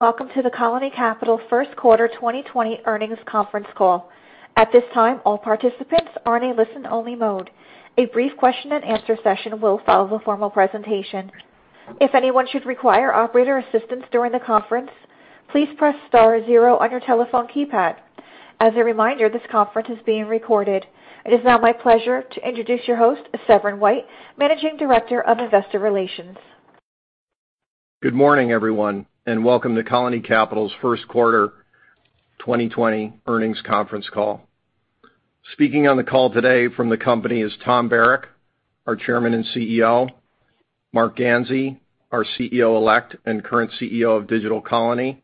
Welcome to the Colony Capital First Quarter 2020 Earnings Conference Call. At this time, all participants are in a listen-only mode. A brief question-and-answer session will follow the formal presentation. If anyone should require operator assistance during the conference, please press star zero on your telephone keypad. As a reminder, this conference is being recorded. It is now my pleasure to introduce your host, Severin White, Managing Director of Investor Relations. Good morning, everyone, and welcome to Colony Capital's First Quarter 2020 Earnings Conference Call. Speaking on the call today from the company is Tom Barrack, our Chairman and CEO; Marc Ganzi, our CEO-elect and current CEO of Digital Colony;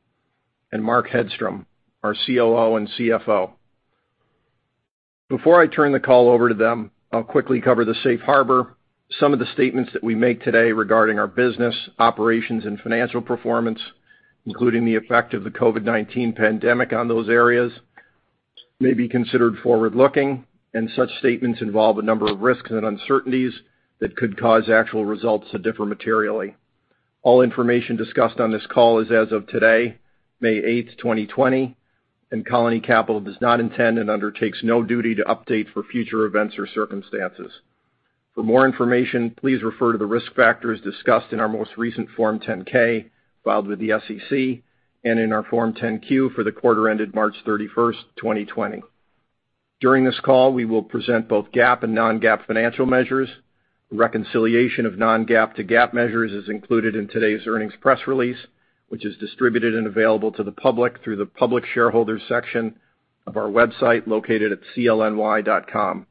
and Mark Hedstrom, our COO and CFO. Before I turn the call over to them, I'll quickly cover the safe harbor. Some of the statements that we make today regarding our business, operations, and financial performance, including the effect of the COVID-19 pandemic on those areas, may be considered forward-looking, and such statements involve a number of risks and uncertainties that could cause actual results to differ materially. All information discussed on this call is as of today, May 8th, 2020, and Colony Capital does not intend and undertakes no duty to update for future events or circumstances. For more information, please refer to the risk factors discussed in our most recent Form 10-K filed with the SEC and in our Form 10-Q for the quarter ended March 31st, 2020. During this call, we will present both GAAP and non-GAAP financial measures. Reconciliation of non-GAAP to GAAP measures is included in today's earnings press release, which is distributed and available to the public through the public shareholder section of our website located at clny.com.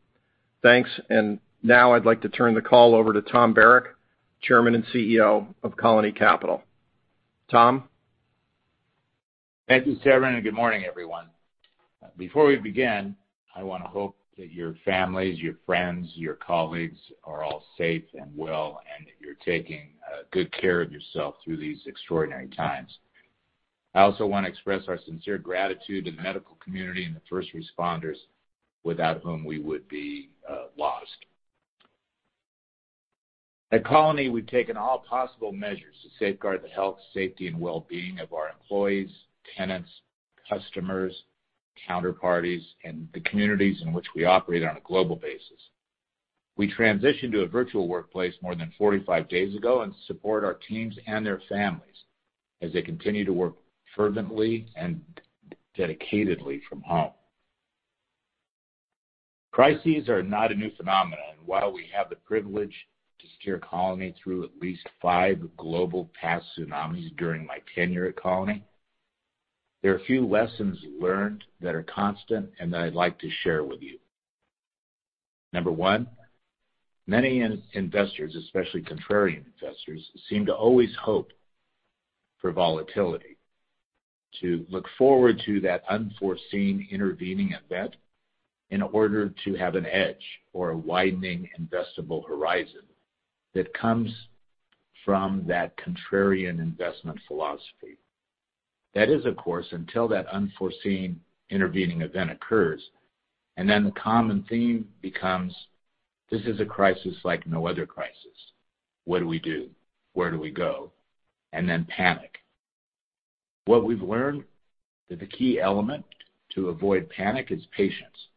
Thanks, and now I'd like to turn the call over to Tom Barrack, Chairman and CEO of Colony Capital. Tom? Thank you, Severin, and good morning, everyone. Before we begin, I want to hope that your families, your friends, your colleagues are all safe and well, and that you're taking good care of yourself through these extraordinary times. I also want to express our sincere gratitude to the medical community and the first responders, without whom we would be lost. At Colony, we've taken all possible measures to safeguard the health, safety, and well-being of our employees, tenants, customers, counterparties, and the communities in which we operate on a global basis. We transitioned to a virtual workplace more than 45 days ago and support our teams and their families as they continue to work fervently and dedicatedly from home. Crises are not a new phenomenon, and while we have the privilege to steer Colony through at least five global past tsunamis during my tenure at Colony, there are a few lessons learned that are constant and that I'd like to share with you. Number one, many investors, especially contrarian investors, seem to always hope for volatility, to look forward to that unforeseen intervening event in order to have an edge or a widening investable horizon that comes from that contrarian investment philosophy. That is, of course, until that unforeseen intervening event occurs, and then the common theme becomes, "This is a crisis like no other crisis. What do we do? Where do we go?" and then panic. What we've learned is that the key element to avoid panic is patience,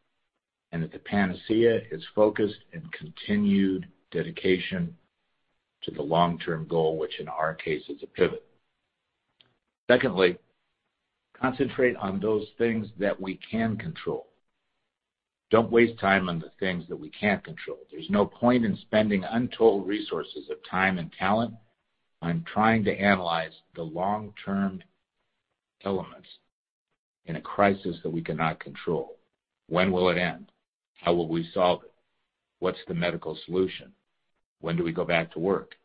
and that the panacea is focused and continued dedication to the long-term goal, which in our case is a pivot. Secondly, concentrate on those things that we can control. Don't waste time on the things that we can't control. There's no point in spending untold resources of time and talent on trying to analyze the long-term elements in a crisis that we cannot control. When will it end? How will we solve it? What's the medical solution? When do we go back to work?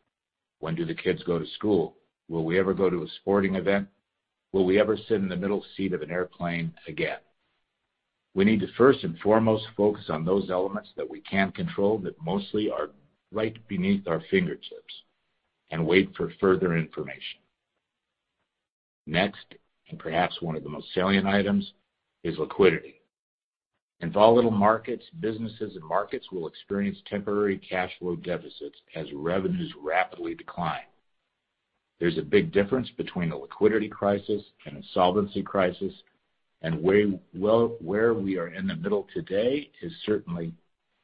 When do the kids go to school? Will we ever go to a sporting event? Will we ever sit in the middle seat of an airplane again? We need to, first and foremost, focus on those elements that we can control that mostly are right beneath our fingertips and wait for further information. Next, and perhaps one of the most salient items, is liquidity. In volatile markets, businesses and markets will experience temporary cash flow deficits as revenues rapidly decline. There's a big difference between a liquidity crisis and a solvency crisis, and where we are in the middle today is certainly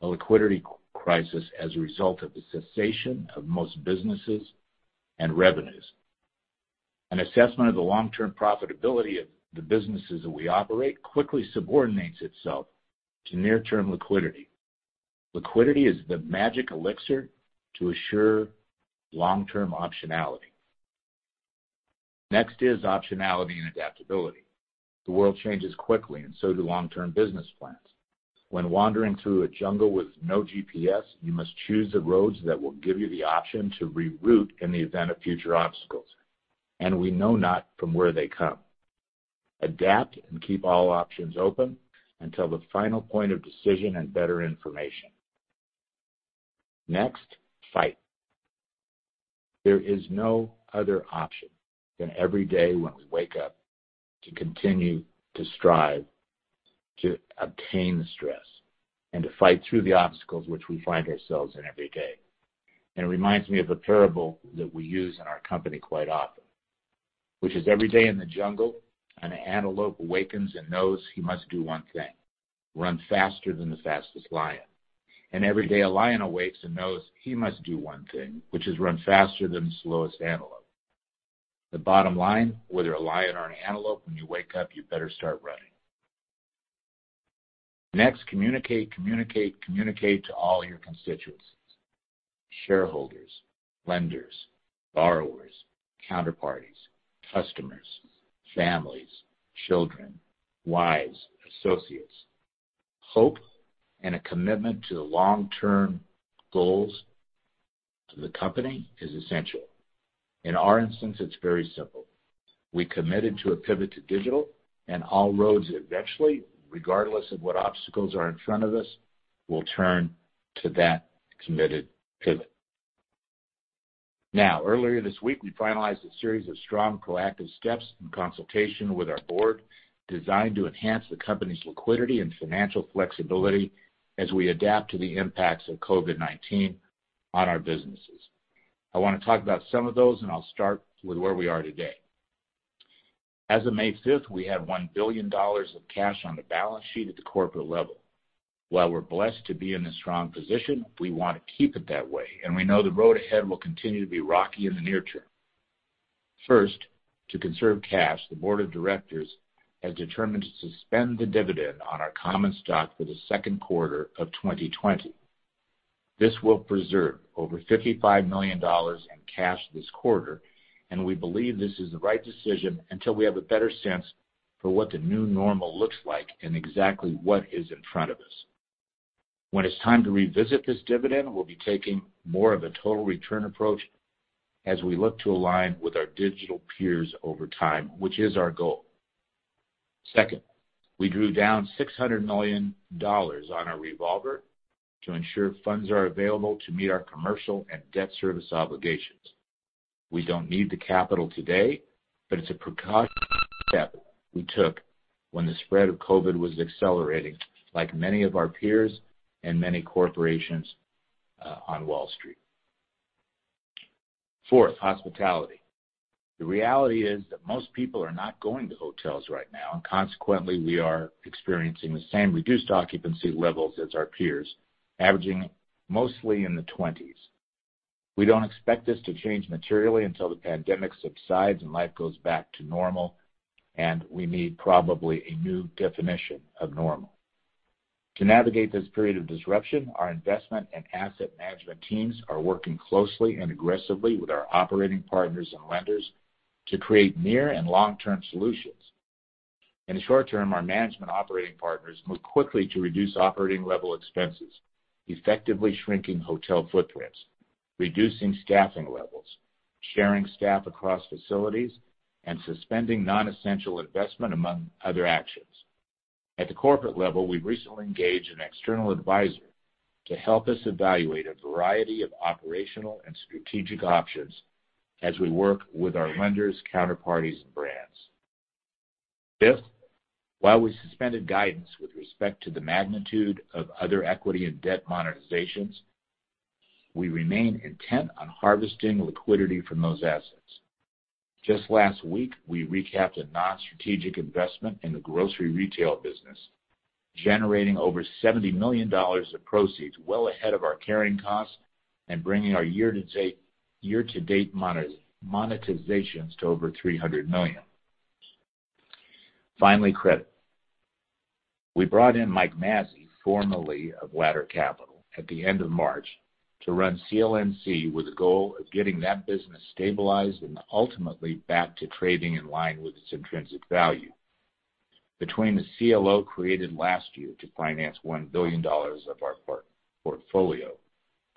a liquidity crisis as a result of the cessation of most businesses and revenues. An assessment of the long-term profitability of the businesses that we operate quickly subordinates itself to near-term liquidity. Liquidity is the magic elixir to assure long-term optionality. Next is optionality and adaptability. The world changes quickly, and so do long-term business plans. When wandering through a jungle with no GPS, you must choose the roads that will give you the option to reroute in the event of future obstacles, and we know not from where they come. Adapt and keep all options open until the final point of decision and better information. Next, fight. There is no other option than every day when we wake up to continue to strive to obtain success and to fight through the obstacles which we find ourselves in every day, and it reminds me of a parable that we use in our company quite often, which is, "Every day in the jungle, an antelope awakens and knows he must do one thing: run faster than the fastest lion, and every day a lion awakes and knows he must do one thing, which is run faster than the slowest antelope." The bottom line, whether a lion or an antelope, when you wake up, you better start running. Next, communicate, communicate, communicate to all your constituents: shareholders, lenders, borrowers, counterparties, customers, families, children, wives, associates. Hope and a commitment to the long-term goals of the company is essential. In our instance, it's very simple. We committed to a pivot to digital, and all roads eventually, regardless of what obstacles are in front of us, will turn to that committed pivot. Now, earlier this week, we finalized a series of strong proactive steps in consultation with our board designed to enhance the company's liquidity and financial flexibility as we adapt to the impacts of COVID-19 on our businesses. I want to talk about some of those, and I'll start with where we are today. As of May 5th, we had $1 billion of cash on the balance sheet at the corporate level. While we're blessed to be in this strong position, we want to keep it that way, and we know the road ahead will continue to be rocky in the near term. First, to conserve cash, the board of directors has determined to suspend the dividend on our common stock for the second quarter of 2020. This will preserve over $55 million in cash this quarter, and we believe this is the right decision until we have a better sense for what the new normal looks like and exactly what is in front of us. When it's time to revisit this dividend, we'll be taking more of a total return approach as we look to align with our digital peers over time, which is our goal. Second, we drew down $600 million on our revolver to ensure funds are available to meet our commercial and debt service obligations. We don't need the capital today, but it's a precautionary step we took when the spread of COVID was accelerating, like many of our peers and many corporations on Wall Street. Fourth, hospitality. The reality is that most people are not going to hotels right now, and consequently, we are experiencing the same reduced occupancy levels as our peers, averaging mostly in the 20s. We don't expect this to change materially until the pandemic subsides and life goes back to normal, and we need probably a new definition of normal. To navigate this period of disruption, our investment and asset management teams are working closely and aggressively with our operating partners and lenders to create near and long-term solutions. In the short term, our management operating partners move quickly to reduce operating level expenses, effectively shrinking hotel footprints, reducing staffing levels, sharing staff across facilities, and suspending non-essential investment, among other actions. At the corporate level, we've recently engaged an external advisor to help us evaluate a variety of operational and strategic options as we work with our lenders, counterparties, and brands. Fifth, while we suspended guidance with respect to the magnitude of other equity and debt monetizations, we remain intent on harvesting liquidity from those assets. Just last week, we recapped a non-strategic investment in the grocery retail business, generating over $70 million of proceeds, well ahead of our carrying costs and bringing our year-to-date monetizations to over $300 million. Finally, credit. We brought in Michael Mazzei, formerly of Ladder Capital, at the end of March to run CLNC with the goal of getting that business stabilized and ultimately back to trading in line with its intrinsic value. Between the CLO created last year to finance $1 billion of our portfolio,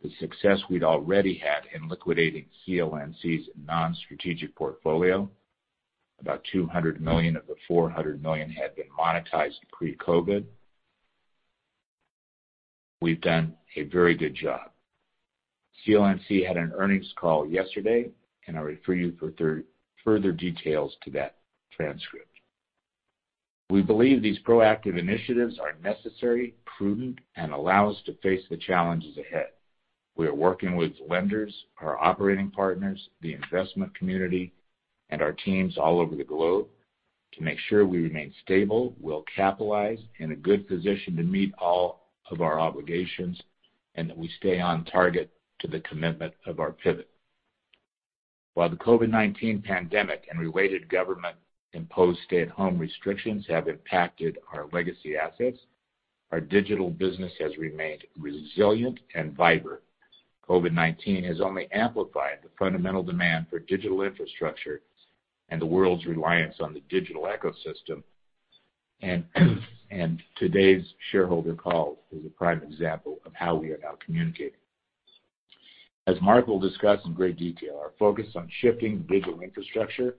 the success we'd already had in liquidating CLNC's non-strategic portfolio, about $200 million of the $400 million had been monetized pre-COVID. We've done a very good job. CLNC had an earnings call yesterday, and I'll refer you for further details to that transcript. We believe these proactive initiatives are necessary, prudent, and allow us to face the challenges ahead. We are working with lenders, our operating partners, the investment community, and our teams all over the globe to make sure we remain stable, well-capitalized, in a good position to meet all of our obligations, and that we stay on target to the commitment of our pivot. While the COVID-19 pandemic and related government-imposed stay-at-home restrictions have impacted our legacy assets, our digital business has remained resilient and vibrant. COVID-19 has only amplified the fundamental demand for digital infrastructure and the world's reliance on the digital ecosystem, and today's shareholder call is a prime example of how we are now communicating. As Mark will discuss in great detail, our focus on shifting digital infrastructure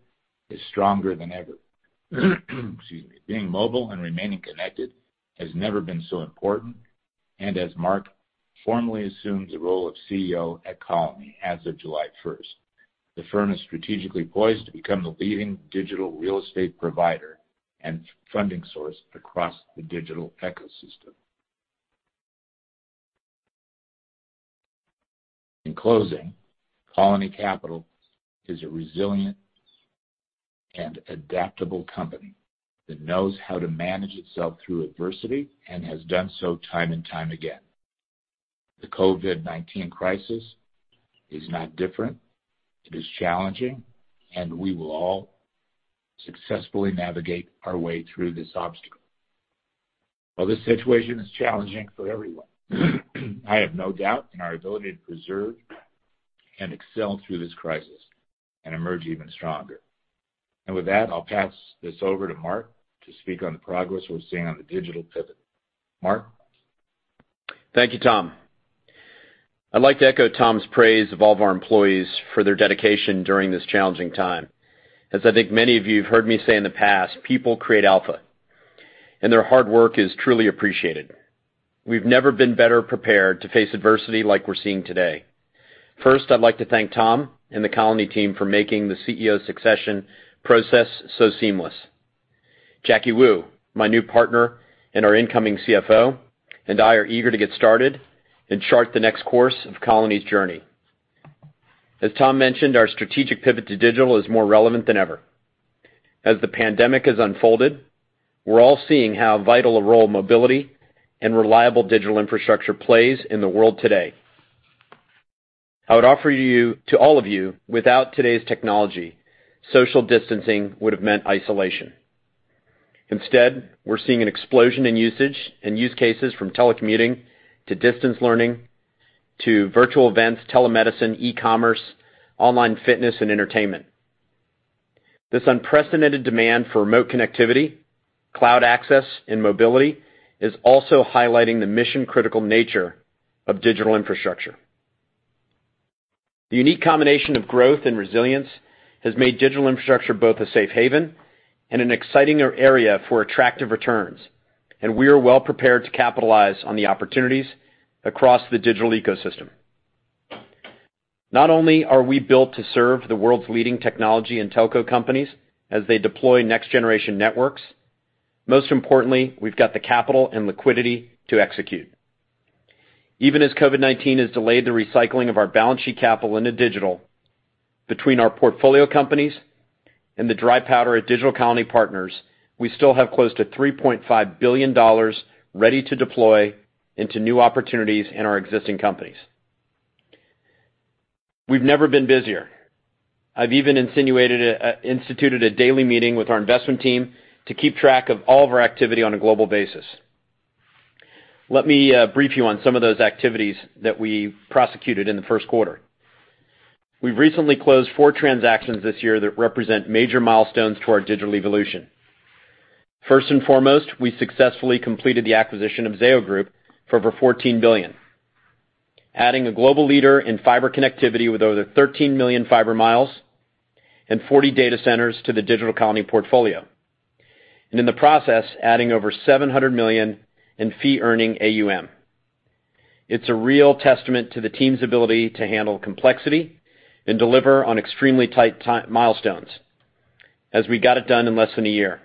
is stronger than ever. Excuse me. Being mobile and remaining connected has never been so important, and as Mark formally assumed the role of CEO at Colony as of July 1st, the firm is strategically poised to become the leading digital real estate provider and funding source across the digital ecosystem. In closing, Colony Capital is a resilient and adaptable company that knows how to manage itself through adversity and has done so time and time again. The COVID-19 crisis is not different. It is challenging, and we will all successfully navigate our way through this obstacle. While this situation is challenging for everyone, I have no doubt in our ability to preserve and excel through this crisis and emerge even stronger. And with that, I'll pass this over to Mark to speak on the progress we're seeing on the digital pivot. Mark. Thank you, Tom. I'd like to echo Tom's praise of all of our employees for their dedication during this challenging time. As I think many of you have heard me say in the past, people create alpha, and their hard work is truly appreciated. We've never been better prepared to face adversity like we're seeing today. First, I'd like to thank Tom and the Colony team for making the CEO succession process so seamless. Jacky Wu, my new partner and our incoming CFO, and I are eager to get started and chart the next course of Colony's journey. As Tom mentioned, our strategic pivot to digital is more relevant than ever. As the pandemic has unfolded, we're all seeing how vital a role mobility and reliable digital infrastructure plays in the world today. I would offer to all of you, without today's technology, social distancing would have meant isolation. Instead, we're seeing an explosion in usage and use cases from telecommuting to distance learning to virtual events, telemedicine, e-commerce, online fitness, and entertainment. This unprecedented demand for remote connectivity, cloud access, and mobility is also highlighting the mission-critical nature of digital infrastructure. The unique combination of growth and resilience has made digital infrastructure both a safe haven and an exciting area for attractive returns, and we are well-prepared to capitalize on the opportunities across the digital ecosystem. Not only are we built to serve the world's leading technology and telco companies as they deploy next-generation networks, most importantly, we've got the capital and liquidity to execute. Even as COVID-19 has delayed the recycling of our balance sheet capital into digital between our portfolio companies and the dry powder at Digital Colony Partners, we still have close to $3.5 billion ready to deploy into new opportunities in our existing companies. We've never been busier. I've even insinuated and instituted a daily meeting with our investment team to keep track of all of our activity on a global basis. Let me brief you on some of those activities that we prosecuted in the first quarter. We've recently closed four transactions this year that represent major milestones to our digital evolution. First and foremost, we successfully completed the acquisition of Zayo Group for over $14 billion, adding a global leader in fiber connectivity with over 13 million fiber miles and 40 data centers to the Digital Colony portfolio, and in the process, adding over $700 million in fee-earning AUM. It's a real testament to the team's ability to handle complexity and deliver on extremely tight milestones as we got it done in less than a year.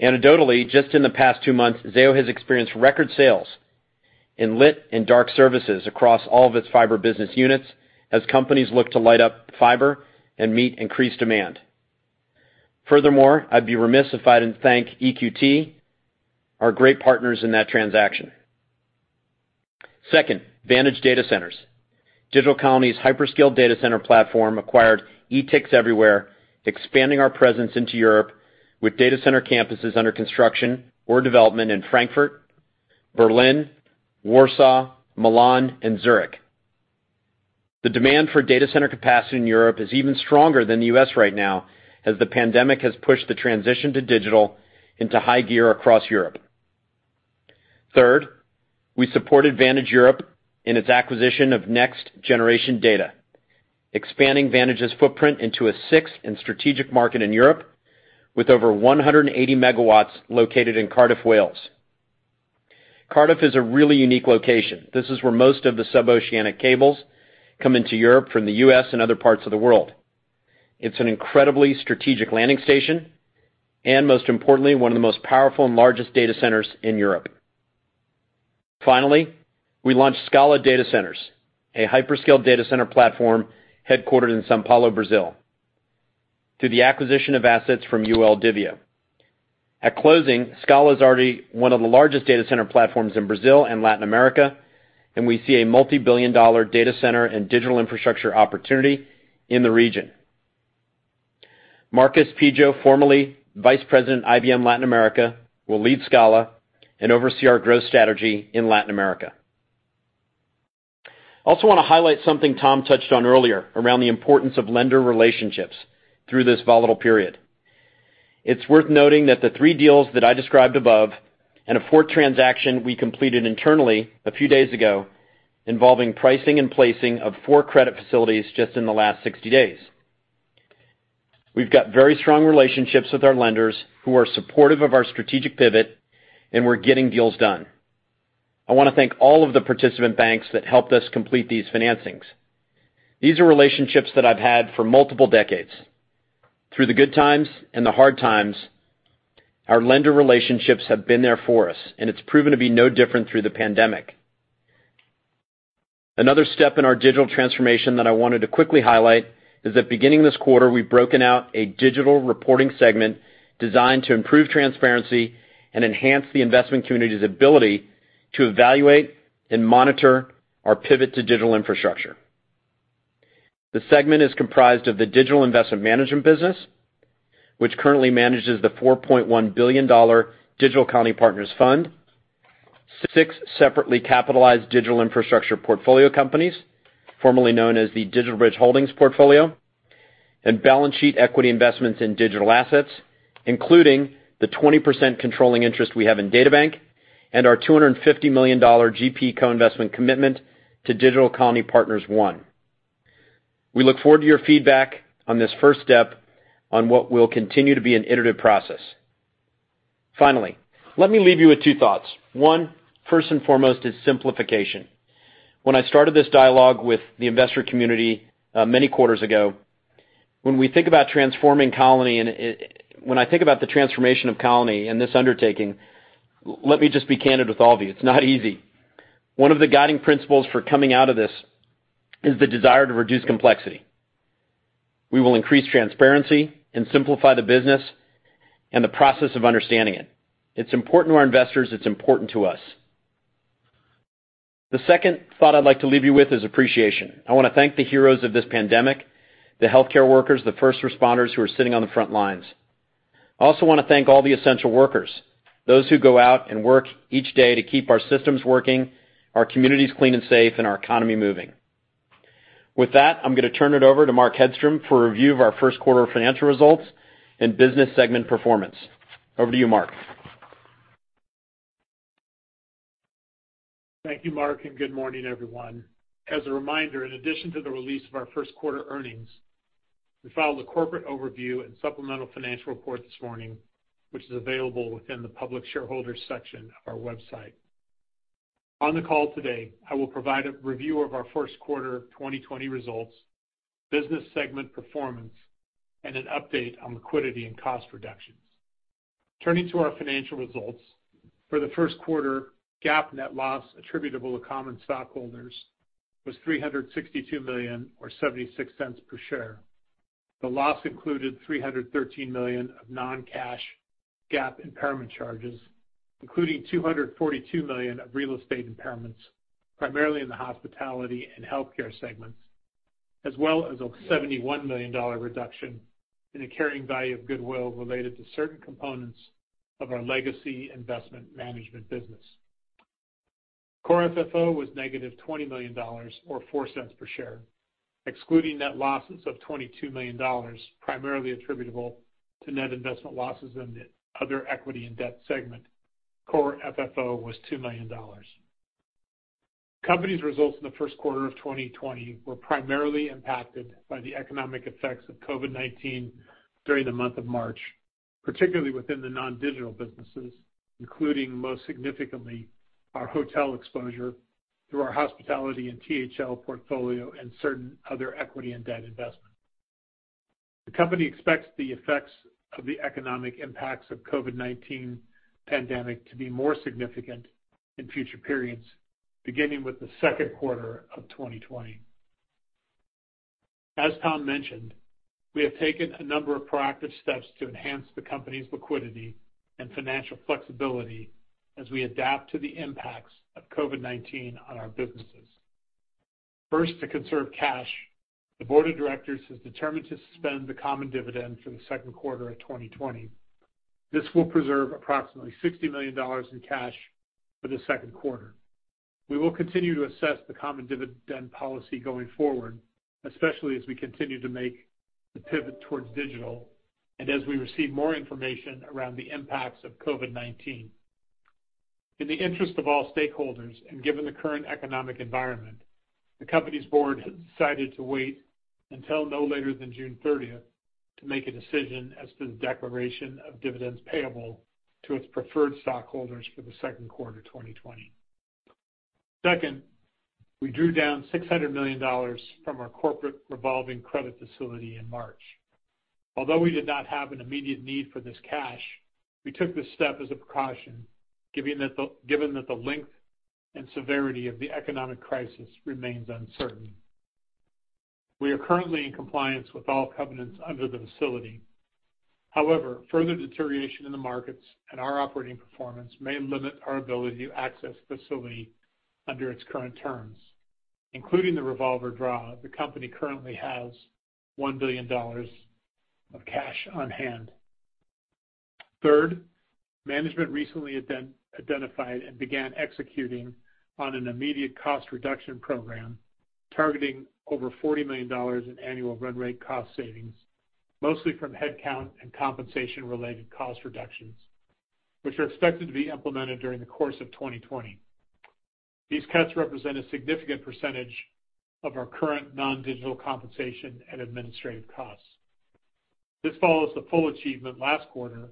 Anecdotally, just in the past two months, Zayo has experienced record sales in lit and dark services across all of its fiber business units as companies look to light up fiber and meet increased demand. Furthermore, I'd be remiss if I didn't thank EQT, our great partners in that transaction. Second, Vantage Data Centers. Digital Colony's hyperscale data center platform acquired Etix Everywhere, expanding our presence into Europe with data center campuses under construction or development in Frankfurt, Berlin, Warsaw, Milan, and Zurich. The demand for data center capacity in Europe is even stronger than the U.S. right now as the pandemic has pushed the transition to digital into high gear across Europe. Third, we supported Vantage Europe in its acquisition of Next Generation Data, expanding Vantage's footprint into a sixth and strategic market in Europe with over 180 megawatts located in Cardiff, Wales. Cardiff is a really unique location. This is where most of the sub-oceanic cables come into Europe from the U.S. and other parts of the world. It's an incredibly strategic landing station and, most importantly, one of the most powerful and largest data centers in Europe. Finally, we launched Scala Data Centers, a hyperscale data center platform headquartered in São Paulo, Brazil, through the acquisition of assets from UOL Diveo. At closing, Scala is already one of the largest data center platforms in Brazil and Latin America, and we see a multi-billion-dollar data center and digital infrastructure opportunity in the region. Marc Ganzi, formerly Vice President, IBM Latin America, will lead Scala and oversee our growth strategy in Latin America. I also want to highlight something Tom touched on earlier around the importance of lender relationships through this volatile period. It's worth noting that the three deals that I described above and a fourth transaction we completed internally a few days ago involving pricing and placing of four credit facilities just in the last 60 days. We've got very strong relationships with our lenders who are supportive of our strategic pivot, and we're getting deals done. I want to thank all of the participant banks that helped us complete these financings. These are relationships that I've had for multiple decades. Through the good times and the hard times, our lender relationships have been there for us, and it's proven to be no different through the pandemic. Another step in our digital transformation that I wanted to quickly highlight is that beginning this quarter, we've broken out a digital reporting segment designed to improve transparency and enhance the investment community's ability to evaluate and monitor our pivot to digital infrastructure. The segment is comprised of the Digital Investment Management business, which currently manages the $4.1 billion Digital Colony Partners Fund, six separately capitalized digital infrastructure portfolio companies, formerly known as the DigitalBridge Holdings portfolio, and balance sheet equity investments in digital assets, including the 20% controlling interest we have in DataBank and our $250 million GP co-investment commitment to Digital Colony Partners One. We look forward to your feedback on this first step on what will continue to be an iterative process. Finally, let me leave you with two thoughts. One, first and foremost, is simplification. When I started this dialogue with the investor community many quarters ago, when we think about transforming Colony and when I think about the transformation of Colony and this undertaking, let me just be candid with all of you. It's not easy. One of the guiding principles for coming out of this is the desire to reduce complexity. We will increase transparency and simplify the business and the process of understanding it. It's important to our investors. It's important to us. The second thought I'd like to leave you with is appreciation. I want to thank the heroes of this pandemic, the healthcare workers, the first responders who are sitting on the front lines. I also want to thank all the essential workers, those who go out and work each day to keep our systems working, our communities clean and safe, and our economy moving. With that, I'm going to turn it over to Mark Hedstrom for a review of our first quarter financial results and business segment performance. Over to you, Mark. Thank you, Mark, and good morning, everyone. As a reminder, in addition to the release of our first quarter earnings, we filed a corporate overview and supplemental financial report this morning, which is available within the public shareholder section of our website. On the call today, I will provide a review of our first quarter 2020 results, business segment performance, and an update on liquidity and cost reductions. Turning to our financial results, for the first quarter, GAAP net loss attributable to common stockholders was $362.76 per share. The loss included $313 million of non-cash GAAP impairment charges, including $242 million of real estate impairments, primarily in the hospitality and healthcare segments, as well as a $71 million reduction in the carrying value of goodwill related to certain components of our legacy investment management business. Core FFO was negative $20 million or $0.04 per share. Excluding net losses of $22 million, primarily attributable to net investment losses in the other equity and debt segment, Core FFO was $2 million. Company's results in the first quarter of 2020 were primarily impacted by the economic effects of COVID-19 during the month of March, particularly within the non-digital businesses, including most significantly our hotel exposure through our hospitality and THL portfolio and certain other equity and debt investments. The company expects the effects of the economic impacts of the COVID-19 pandemic to be more significant in future periods, beginning with the second quarter of 2020. As Tom mentioned, we have taken a number of proactive steps to enhance the company's liquidity and financial flexibility as we adapt to the impacts of COVID-19 on our businesses. First, to conserve cash, the board of directors has determined to suspend the common dividend for the second quarter of 2020. This will preserve approximately $60 million in cash for the second quarter. We will continue to assess the common dividend policy going forward, especially as we continue to make the pivot towards digital and as we receive more information around the impacts of COVID-19. In the interest of all stakeholders and given the current economic environment, the company's board has decided to wait until no later than June 30th to make a decision as to the declaration of dividends payable to its preferred stockholders for the second quarter 2020. Second, we drew down $600 million from our corporate revolving credit facility in March. Although we did not have an immediate need for this cash, we took this step as a precaution, given that the length and severity of the economic crisis remains uncertain. We are currently in compliance with all covenants under the facility. However, further deterioration in the markets and our operating performance may limit our ability to access the facility under its current terms, including the revolver draw of the company currently has $1 billion of cash on hand. Third, management recently identified and began executing on an immediate cost reduction program targeting over $40 million in annual run rate cost savings, mostly from headcount and compensation-related cost reductions, which are expected to be implemented during the course of 2020. These cuts represent a significant percentage of our current non-digital compensation and administrative costs. This follows the full achievement last quarter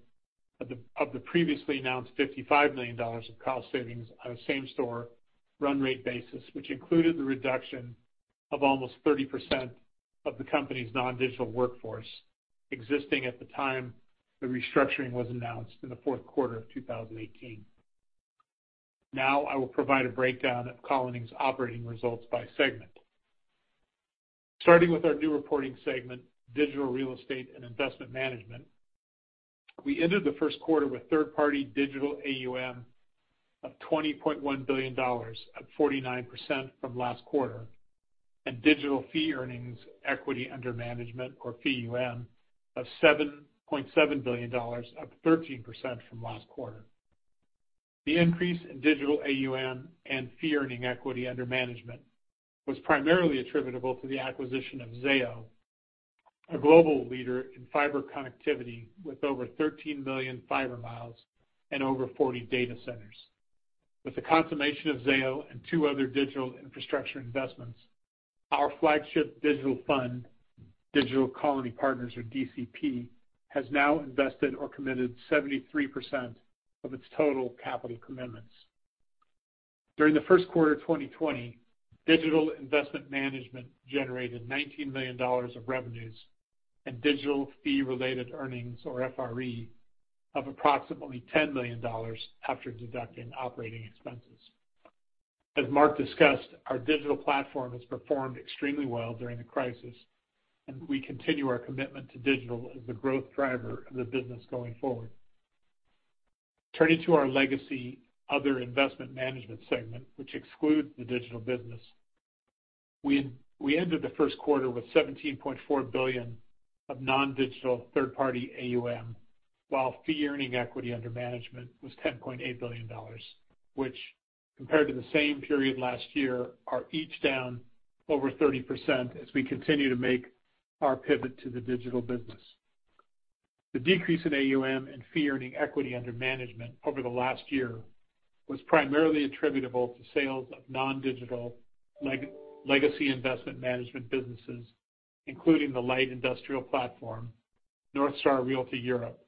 of the previously announced $55 million of cost savings on a same-store run rate basis, which included the reduction of almost 30% of the company's non-digital workforce existing at the time the restructuring was announced in the fourth quarter of 2018. Now, I will provide a breakdown of the company's operating results by segment. Starting with our new reporting segment, Digital Real Estate and Investment Management, we entered the first quarter with third-party digital AUM of $20.1 billion at 49% from last quarter and digital fee-earning equity under management, or FEUM, of $7.7 billion at 13% from last quarter. The increase in digital AUM and fee-earning equity under management was primarily attributable to the acquisition of Zayo, a global leader in fiber connectivity with over 13 million fiber miles and over 40 data centers. With the consummation of Zayo and two other digital infrastructure investments, our flagship digital fund, Digital Colony Partners, or DCP, has now invested or committed 73% of its total capital commitments. During the first quarter of 2020, Digital Investment Management generated $19 million of revenues and digital fee-related earnings, or FRE, of approximately $10 million after deducting operating expenses. As Mark discussed, our digital platform has performed extremely well during the crisis, and we continue our commitment to digital as the growth driver of the business going forward. Turning to our legacy other investment management segment, which excludes the digital business, we entered the first quarter with $17.4 billion of non-digital third-party AUM, while fee earning equity under management was $10.8 billion, which, compared to the same period last year, are each down over 30% as we continue to make our pivot to the digital business. The decrease in AUM and fee-earning equity under management over the last year was primarily attributable to sales of non-digital legacy investment management businesses, including the Light Industrial Platform, NorthStar Realty Europe,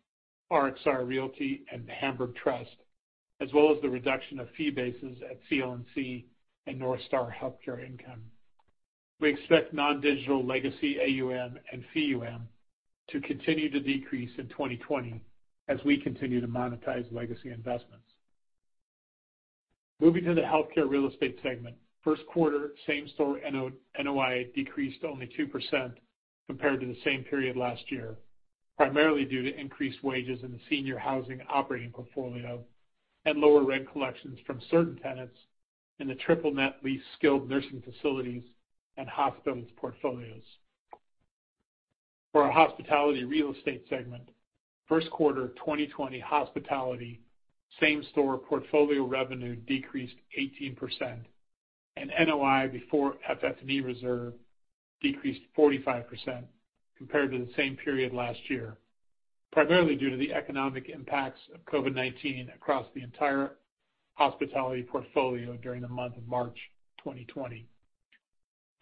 RXR Realty, and Hamburg Trust, as well as the reduction of fee bases at CLNC and NorthStar Healthcare Income. We expect non-digital legacy AUM and fee to continue to decrease in 2020 as we continue to monetize legacy investments. Moving to the healthcare real estate segment, first quarter same-store NOI decreased only 2% compared to the same period last year, primarily due to increased wages in the senior housing operating portfolio and lower rent collections from certain tenants in the triple-net lease skilled nursing facilities and hospitals portfolios. For our hospitality real estate segment, first quarter 2020 hospitality same-store portfolio revenue decreased 18%, and NOI before FF&E reserve decreased 45% compared to the same period last year, primarily due to the economic impacts of COVID-19 across the entire hospitality portfolio during the month of March 2020.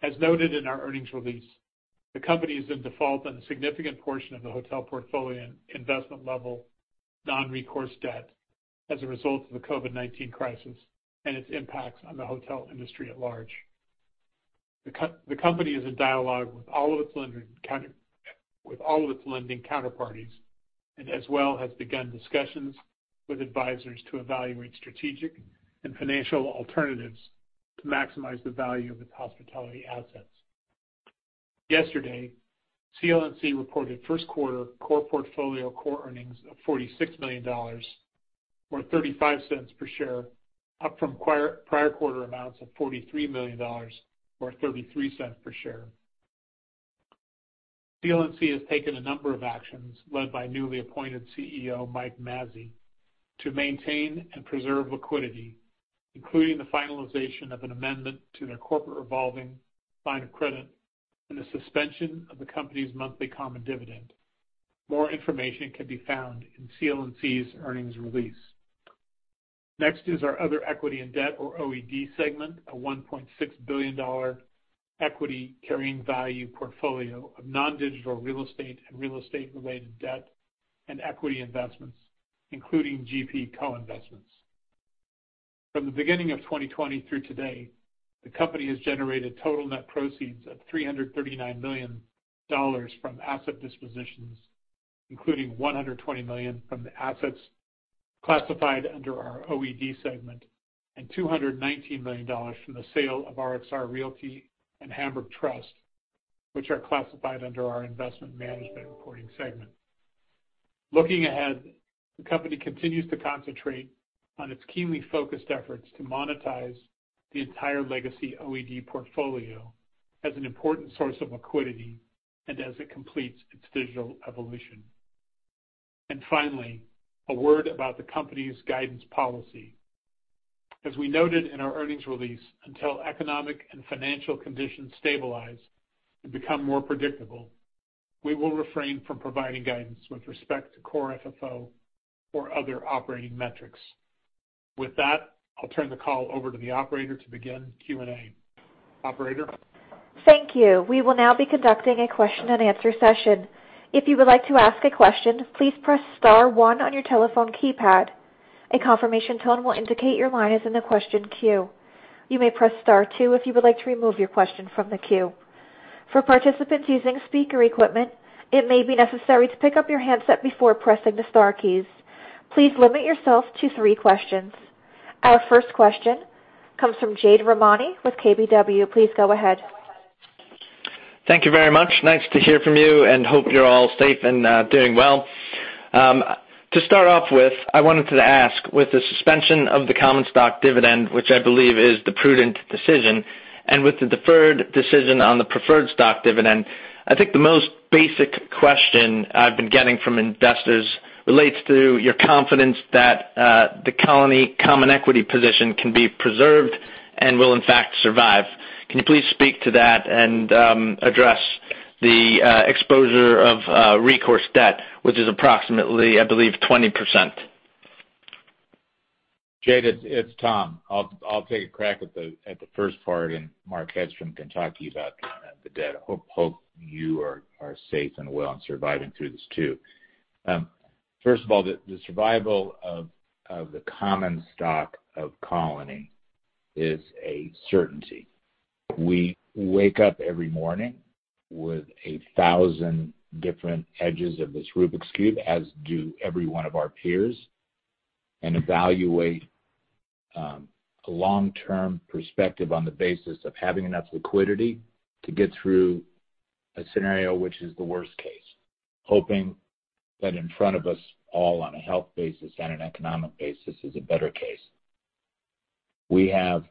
As noted in our earnings release, the company is in default on a significant portion of the hotel portfolio investment level non-recourse debt as a result of the COVID-19 crisis and its impacts on the hotel industry at large. The company is in dialogue with all of its lending counterparties and as well has begun discussions with advisors to evaluate strategic and financial alternatives to maximize the value of its hospitality assets. Yesterday, CLNC reported first quarter core portfolio core earnings of $46 million or $0.35 per share, up from prior quarter amounts of $43 million or $0.33 per share. CLNC has taken a number of actions led by newly appointed CEO Mike Mazzei to maintain and preserve liquidity, including the finalization of an amendment to their corporate revolving line of credit and the suspension of the company's monthly common dividend. More information can be found in CLNC's earnings release. Next is our other equity and debt, or OED segment, a $1.6 billion equity carrying value portfolio of non-digital real estate and real estate-related debt and equity investments, including GP co-investments. From the beginning of 2020 through today, the company has generated total net proceeds of $339 million from asset dispositions, including $120 million from the assets classified under our OED segment and $219 million from the sale of RXR Realty and Hamburg Trust, which are classified under our investment management reporting segment. Looking ahead, the company continues to concentrate on its keenly focused efforts to monetize the entire legacy OED portfolio as an important source of liquidity and as it completes its digital evolution, and finally, a word about the company's guidance policy. As we noted in our earnings release, until economic and financial conditions stabilize and become more predictable, we will refrain from providing guidance with respect to Core FFO or other operating metrics. With that, I'll turn the call over to the operator to begin Q&A. Operator. Thank you. We will now be conducting a question and answer session. If you would like to ask a question, please press Star 1 on your telephone keypad. A confirmation tone will indicate your line is in the question queue. You may press Star 2 if you would like to remove your question from the queue. For participants using speaker equipment, it may be necessary to pick up your handset before pressing the Star keys. Please limit yourself to three questions. Our first question comes from Jade Rahmani with KBW. Please go ahead. Thank you very much. Nice to hear from you and hope you're all safe and doing well. To start off with, I wanted to ask, with the suspension of the common stock dividend, which I believe is the prudent decision, and with the deferred decision on the preferred stock dividend, I think the most basic question I've been getting from investors relates to your confidence that the common equity position can be preserved and will, in fact, survive. Can you please speak to that and address the exposure of recourse debt, which is approximately, I believe, 20%? Jade, it's Tom. I'll take a crack at the first part, and Mark Hedstrom can talk to you about the debt. I hope you are safe and well and surviving through this too. First of all, the survival of the common stock of Colony is a certainty. We wake up every morning with a thousand different edges of this Rubik's Cube, as do every one of our peers, and evaluate a long-term perspective on the basis of having enough liquidity to get through a scenario which is the worst case, hoping that in front of us all, on a health basis and an economic basis, is a better case. We have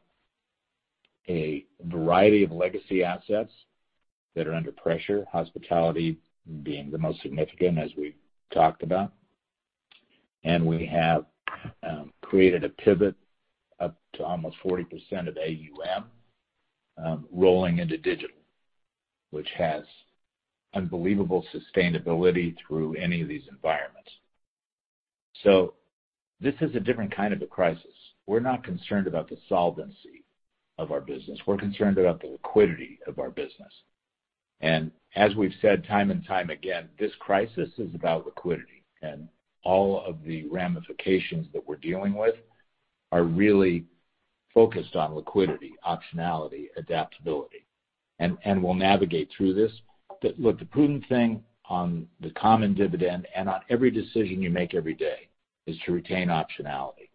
a variety of legacy assets that are under pressure, hospitality being the most significant, as we talked about, and we have created a pivot up to almost 40% of AUM rolling into digital, which has unbelievable sustainability through any of these environments. So this is a different kind of a crisis. We're not concerned about the solvency of our business. We're concerned about the liquidity of our business. And as we've said time and time again, this crisis is about liquidity, and all of the ramifications that we're dealing with are really focused on liquidity, optionality, adaptability. And we'll navigate through this. Look, the prudent thing on the common dividend and on every decision you make every day is to retain optionality.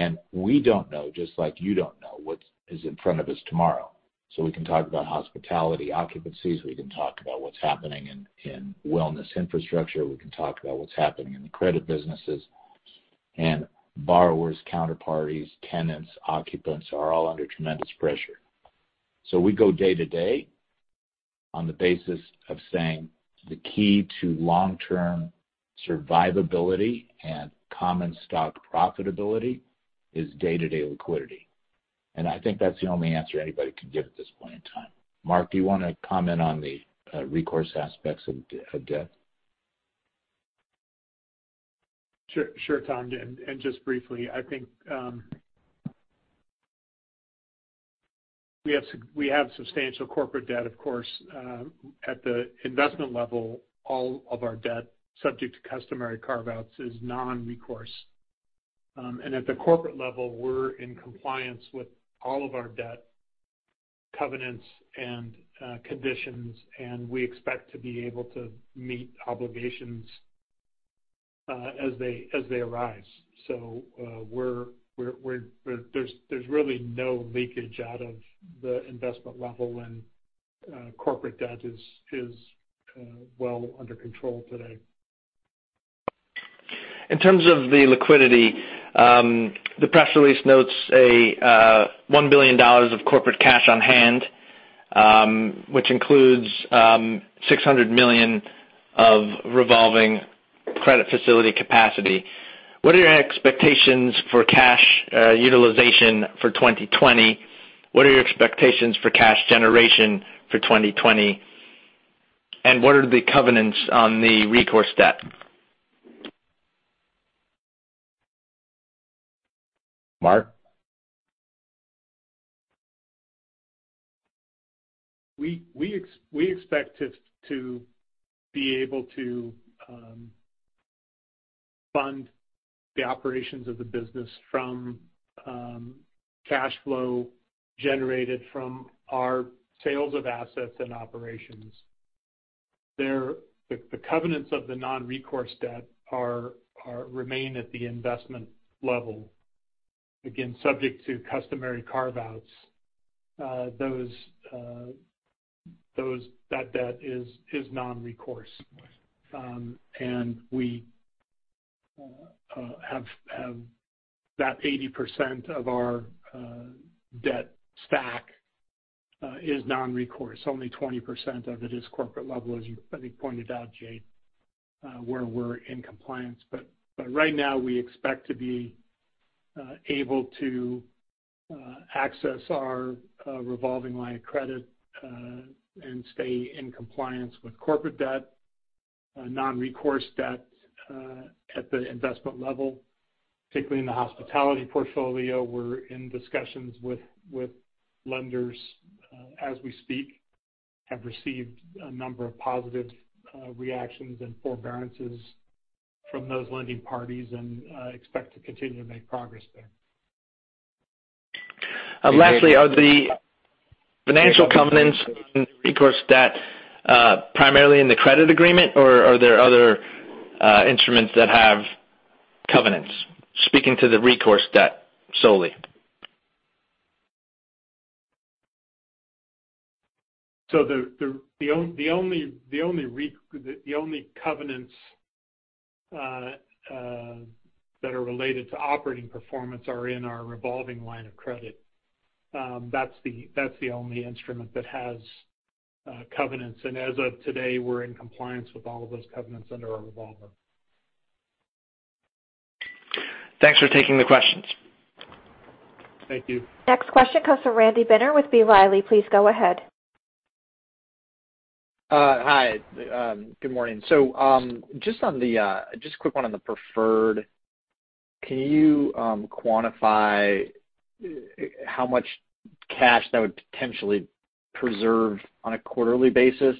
And we don't know, just like you don't know, what is in front of us tomorrow. So we can talk about hospitality occupancies. We can talk about what's happening in wellness infrastructure. We can talk about what's happening in the credit businesses. And borrowers, counterparties, tenants, occupants are all under tremendous pressure. We go day to day on the basis of saying the key to long-term survivability and common stock profitability is day-to-day liquidity. And I think that's the only answer anybody can give at this point in time. Mark, do you want to comment on the recourse aspects of debt? Sure, Tom. And just briefly, I think we have substantial corporate debt, of course. At the investment level, all of our debt subject to customary carve-outs is non-recourse. And at the corporate level, we're in compliance with all of our debt covenants and conditions, and we expect to be able to meet obligations as they arise. So there's really no leakage out of the investment level when corporate debt is well under control today. In terms of the liquidity, the press release notes $1 billion of corporate cash on hand, which includes $600 million of revolving credit facility capacity. What are your expectations for cash utilization for 2020? What are your expectations for cash generation for 2020? And what are the covenants on the recourse debt? Mark? We expect to be able to fund the operations of the business from cash flow generated from our sales of assets and operations. The covenants of the non-recourse debt remain at the investment level, again, subject to customary carve-outs. That debt is non-recourse. And about 80% of our debt stack is non-recourse. Only 20% of it is corporate level, as you pointed out, Jade, where we're in compliance. But right now, we expect to be able to access our revolving line of credit and stay in compliance with corporate debt, non-recourse debt at the investment level, particularly in the hospitality portfolio. We're in discussions with lenders as we speak. Have received a number of positive reactions and forbearances from those lending parties and expect to continue to make progress there. Lastly, are the financial covenants and recourse debt primarily in the credit agreement, or are there other instruments that have covenants? Speaking to the recourse debt solely. So the only covenants that are related to operating performance are in our revolving line of credit. That's the only instrument that has covenants. And as of today, we're in compliance with all of those covenants under our revolver. Thanks for taking the questions. Thank you. Next question comes from Randy Binner with B. Riley FBR. Please go ahead. Hi. Good morning. So just a quick one on the preferred. Can you quantify how much cash that would potentially preserve on a quarterly basis?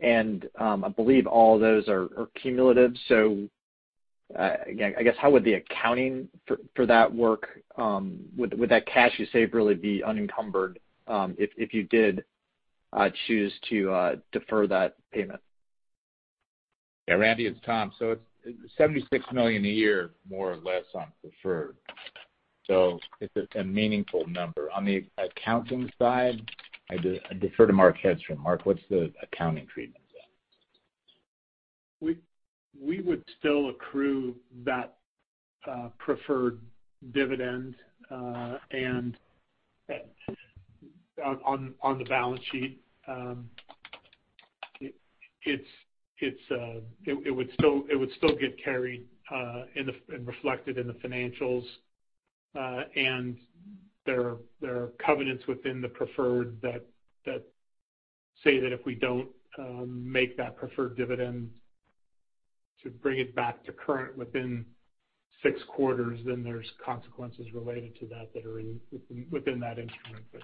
And I believe all those are cumulative. So again, I guess how would the accounting for that work? Would that cash you save really be unencumbered if you did choose to defer that payment? Yeah. Randy, it's Tom. So it's $76 million a year, more or less, on preferred. So it's a meaningful number. On the accounting side, I defer to Mark Hedstrom. Mark, what's the accounting treatment there? We would still accrue that preferred dividend. And on the balance sheet, it would still get carried and reflected in the financials. And there are covenants within the preferred that say that if we don't make that preferred dividend to bring it back to current within six quarters, then there's consequences related to that that are within that instrument. But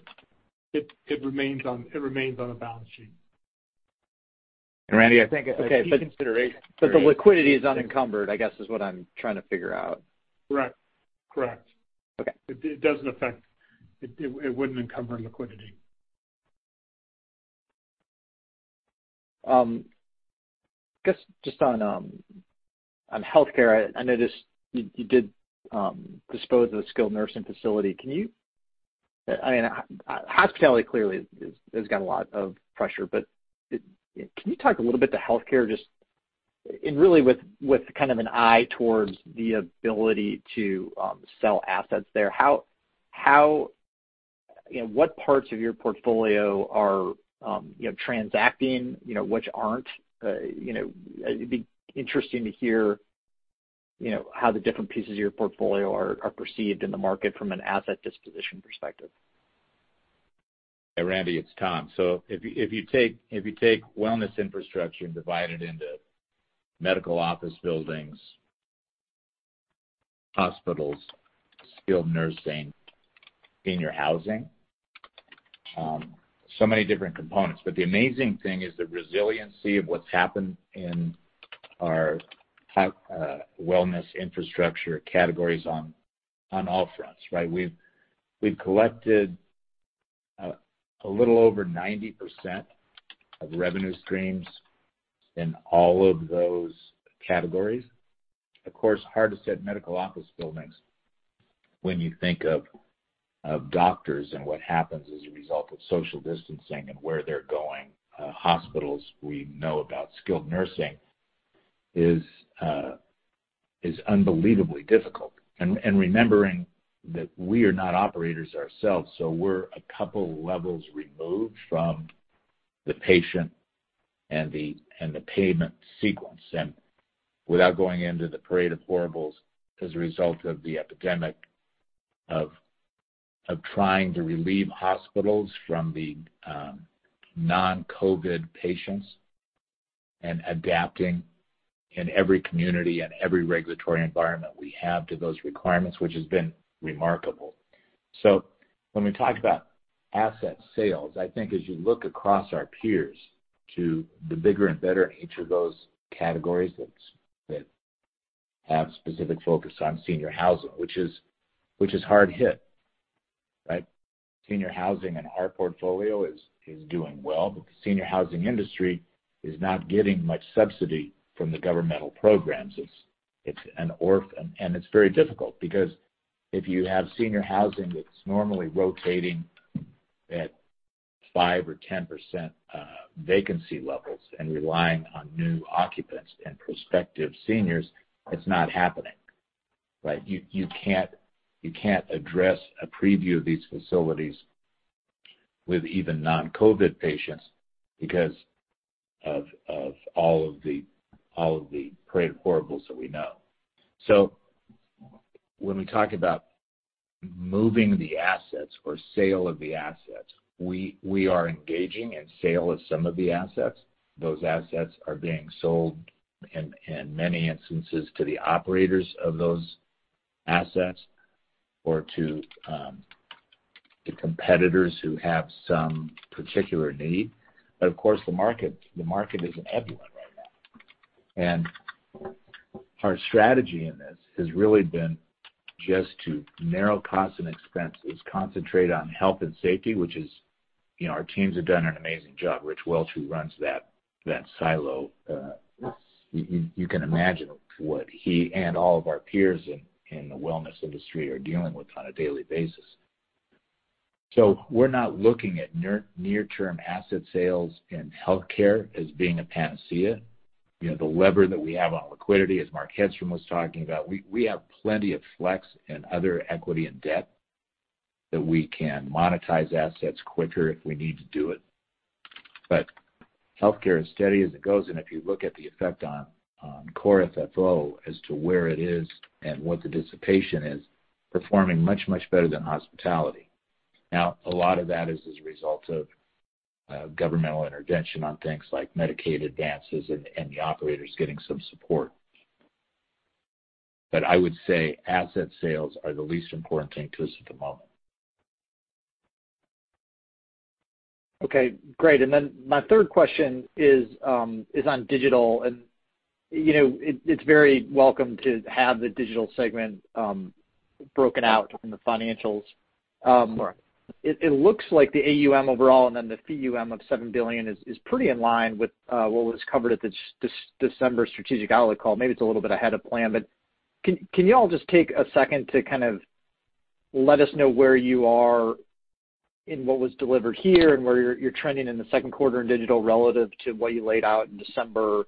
it remains on the balance sheet. And Randy, I think it's a good consideration. But the liquidity is unencumbered, I guess, is what I'm trying to figure out. Correct. Correct. It doesn't affect. It wouldn't encumber liquidity. I guess just on healthcare, I noticed you did dispose of a skilled nursing facility. I mean, hospitality clearly has got a lot of pressure. But can you talk a little bit to healthcare? Just really with kind of an eye towards the ability to sell assets there, what parts of your portfolio are transacting, which aren't? It'd be interesting to hear how the different pieces of your portfolio are perceived in the market from an asset disposition perspective. Yeah. Randy, it's Tom. So if you take wellness infrastructure and divide it into medical office buildings, hospitals, skilled nursing, senior housing, so many different components, but the amazing thing is the resiliency of what's happened in our wellness infrastructure categories on all fronts, right? We've collected a little over 90% of revenue streams in all of those categories. Of course, hard to site medical office buildings when you think of doctors and what happens as a result of social distancing and where they're going. Hospitals we know about. Skilled nursing is unbelievably difficult, and remembering that we are not operators ourselves, so we're a couple levels removed from the patient and the payment sequence, and without going into the parade of horribles as a result of the epidemic of trying to relieve hospitals from the non-COVID patients and adapting in every community and every regulatory environment we have to those requirements, which has been remarkable, so when we talk about asset sales, I think as you look across our peers to the bigger and better in each of those categories that have specific focus on senior housing, which is hard hit, right? Senior housing in our portfolio is doing well, but the senior housing industry is not getting much subsidy from the governmental programs, and it's very difficult because if you have senior housing that's normally rotating at 5% or 10% vacancy levels and relying on new occupants and prospective seniors, it's not happening, right? You can't even preview these facilities with even non-COVID patients because of all of the parade of horribles that we know, so when we talk about moving the assets or sale of the assets, we are engaging in sale of some of the assets. Those assets are being sold in many instances to the operators of those assets or to the competitors who have some particular need, but of course, the market is an ebb and flow right now. And our strategy in this has really been just to narrow costs and expenses, concentrate on health and safety, which our teams have done an amazing job. Rich Welch, who runs that silo, you can imagine what he and all of our peers in the wellness industry are dealing with on a daily basis. So we're not looking at near-term asset sales in healthcare as being a panacea. The lever that we have on liquidity, as Mark Hedstrom was talking about, we have plenty of flex and other equity and debt that we can monetize assets quicker if we need to do it. But healthcare is steady as it goes. And if you look at the effect on Core FFO as to where it is and what the dissipation is, performing much, much better than hospitality. Now, a lot of that is as a result of governmental intervention on things like Medicaid advances and the operators getting some support. But I would say asset sales are the least important thing to us at the moment. Okay. Great. And then my third question is on digital. And it's very welcome to have the digital segment broken out in the financials. It looks like the AUM overall and then the FEUM of $7 billion is pretty in line with what was covered at the December strategic outlook call. Maybe it's a little bit ahead of plan. But can you all just take a second to kind of let us know where you are in what was delivered here and where you're trending in the second quarter in digital relative to what you laid out in December?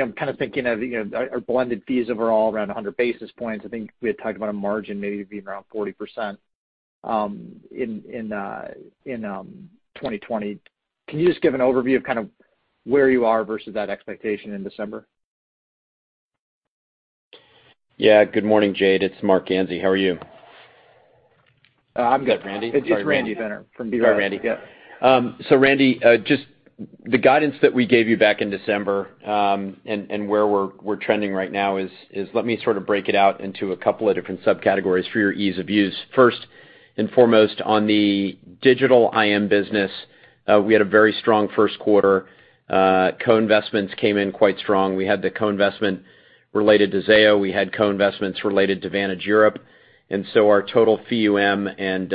I'm kind of thinking of our blended fees overall around 100 basis points. I think we had talked about a margin maybe being around 40% in 2020. Can you just give an overview of kind of where you are versus that expectation in December? Yeah. Good morning, Jade. It's Marc Ganzi. How are you? I'm good, Randy. It's Randy Binner from B. Riley FBR. Sorry, Randy. Yeah. So Randy, just the guidance that we gave you back in December and where we're trending right now is let me sort of break it out into a couple of different subcategories for your ease of use. First and foremost, on the digital IM business, we had a very strong first quarter. Co-investments came in quite strong. We had the co-investment related to Zayo. We had co-investments related to Vantage Europe. And so our total FEUM and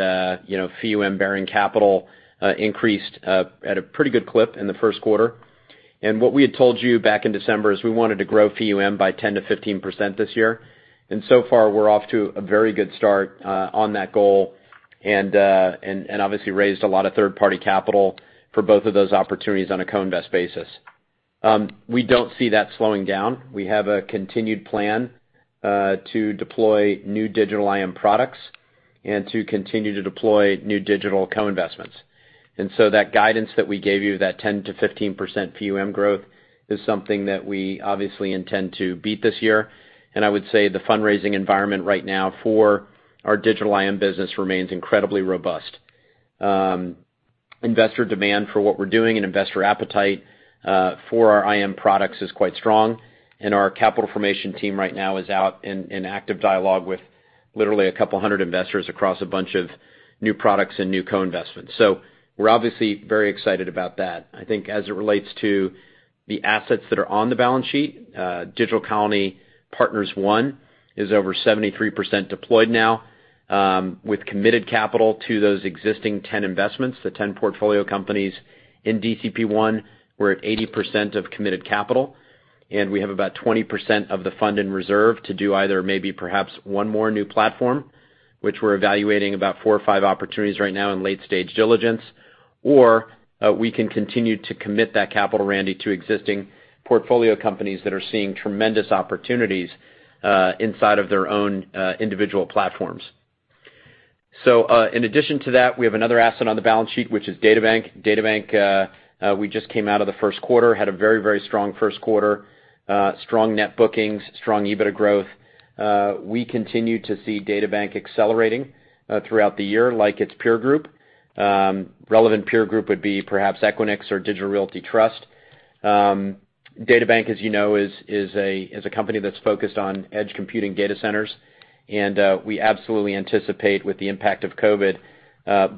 FEUM bearing capital increased at a pretty good clip in the first quarter. And what we had told you back in December is we wanted to grow FEUM by 10%-15% this year. And so far, we're off to a very good start on that goal and obviously raised a lot of third-party capital for both of those opportunities on a co-invest basis. We don't see that slowing down. We have a continued plan to deploy new digital IM products and to continue to deploy new digital co-investments. And so that guidance that we gave you, that 10%-15% FEUM growth, is something that we obviously intend to beat this year. And I would say the fundraising environment right now for our digital IM business remains incredibly robust. Investor demand for what we're doing and investor appetite for our IM products is quite strong. And our capital formation team right now is out in active dialogue with literally a couple hundred investors across a bunch of new products and new co-investments. So we're obviously very excited about that. I think as it relates to the assets that are on the balance sheet, Digital Colony Partners One is over 73% deployed now with committed capital to those existing 10 investments. The 10 portfolio companies in DCP One were at 80% of committed capital. And we have about 20% of the fund in reserve to do either maybe perhaps one more new platform, which we're evaluating about four or five opportunities right now in late-stage diligence, or we can continue to commit that capital, Randy, to existing portfolio companies that are seeing tremendous opportunities inside of their own individual platforms. So in addition to that, we have another asset on the balance sheet, which is DataBank. DataBank, we just came out of the first quarter, had a very, very strong first quarter, strong net bookings, strong EBITDA growth. We continue to see DataBank accelerating throughout the year like its peer group. Relevant peer group would be perhaps Equinix or Digital Realty Trust. DataBank, as you know, is a company that's focused on edge computing data centers. And we absolutely anticipate with the impact of COVID,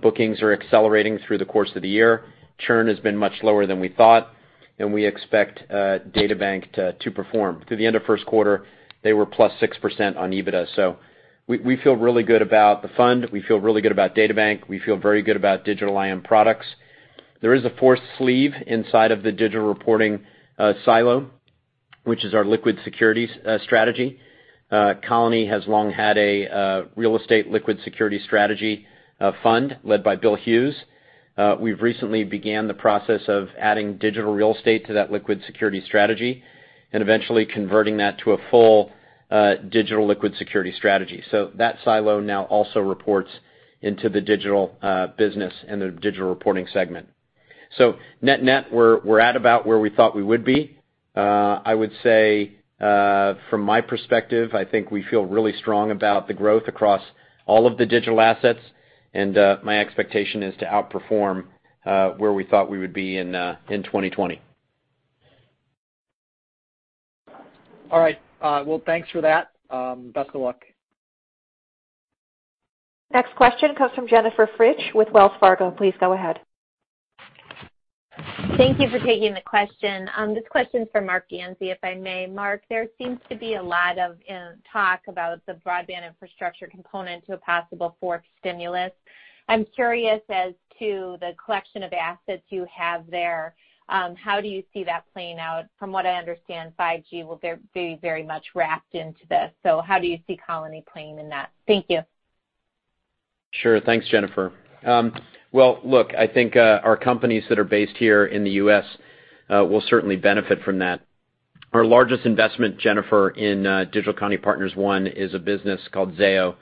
bookings are accelerating through the course of the year. Churn has been much lower than we thought. And we expect DataBank to perform. To the end of first quarter, they were plus 6% on EBITDA. So we feel really good about the fund. We feel really good about DataBank. We feel very good about digital IM products. There is a fourth sleeve inside of the digital reporting silo, which is our liquid securities strategy. Colony has long had a real estate liquid security strategy fund led by Bill Hughes. We've recently begun the process of adding digital real estate to that liquid security strategy and eventually converting that to a full digital liquid security strategy. So that silo now also reports into the digital business and the digital reporting segment. So net net, we're at about where we thought we would be. I would say from my perspective, I think we feel really strong about the growth across all of the digital assets. My expectation is to outperform where we thought we would be in 2020. All right. Thanks for that. Best of luck. Next question comes from Jennifer Fritzsche with Wells Fargo. Please go ahead. Thank you for taking the question. This question's for Marc Ganzi, if I may. Marc, there seems to be a lot of talk about the broadband infrastructure component to a possible fourth stimulus. I'm curious as to the collection of assets you have there. How do you see that playing out? From what I understand, 5G will be very much wrapped into this. So how do you see Colony playing in that? Thank you. Sure. Thanks, Jennifer. Well, look, I think our companies that are based here in the U.S. will certainly benefit from that. Our largest investment, Jennifer, in Digital Colony Partners One is a business called Zayo.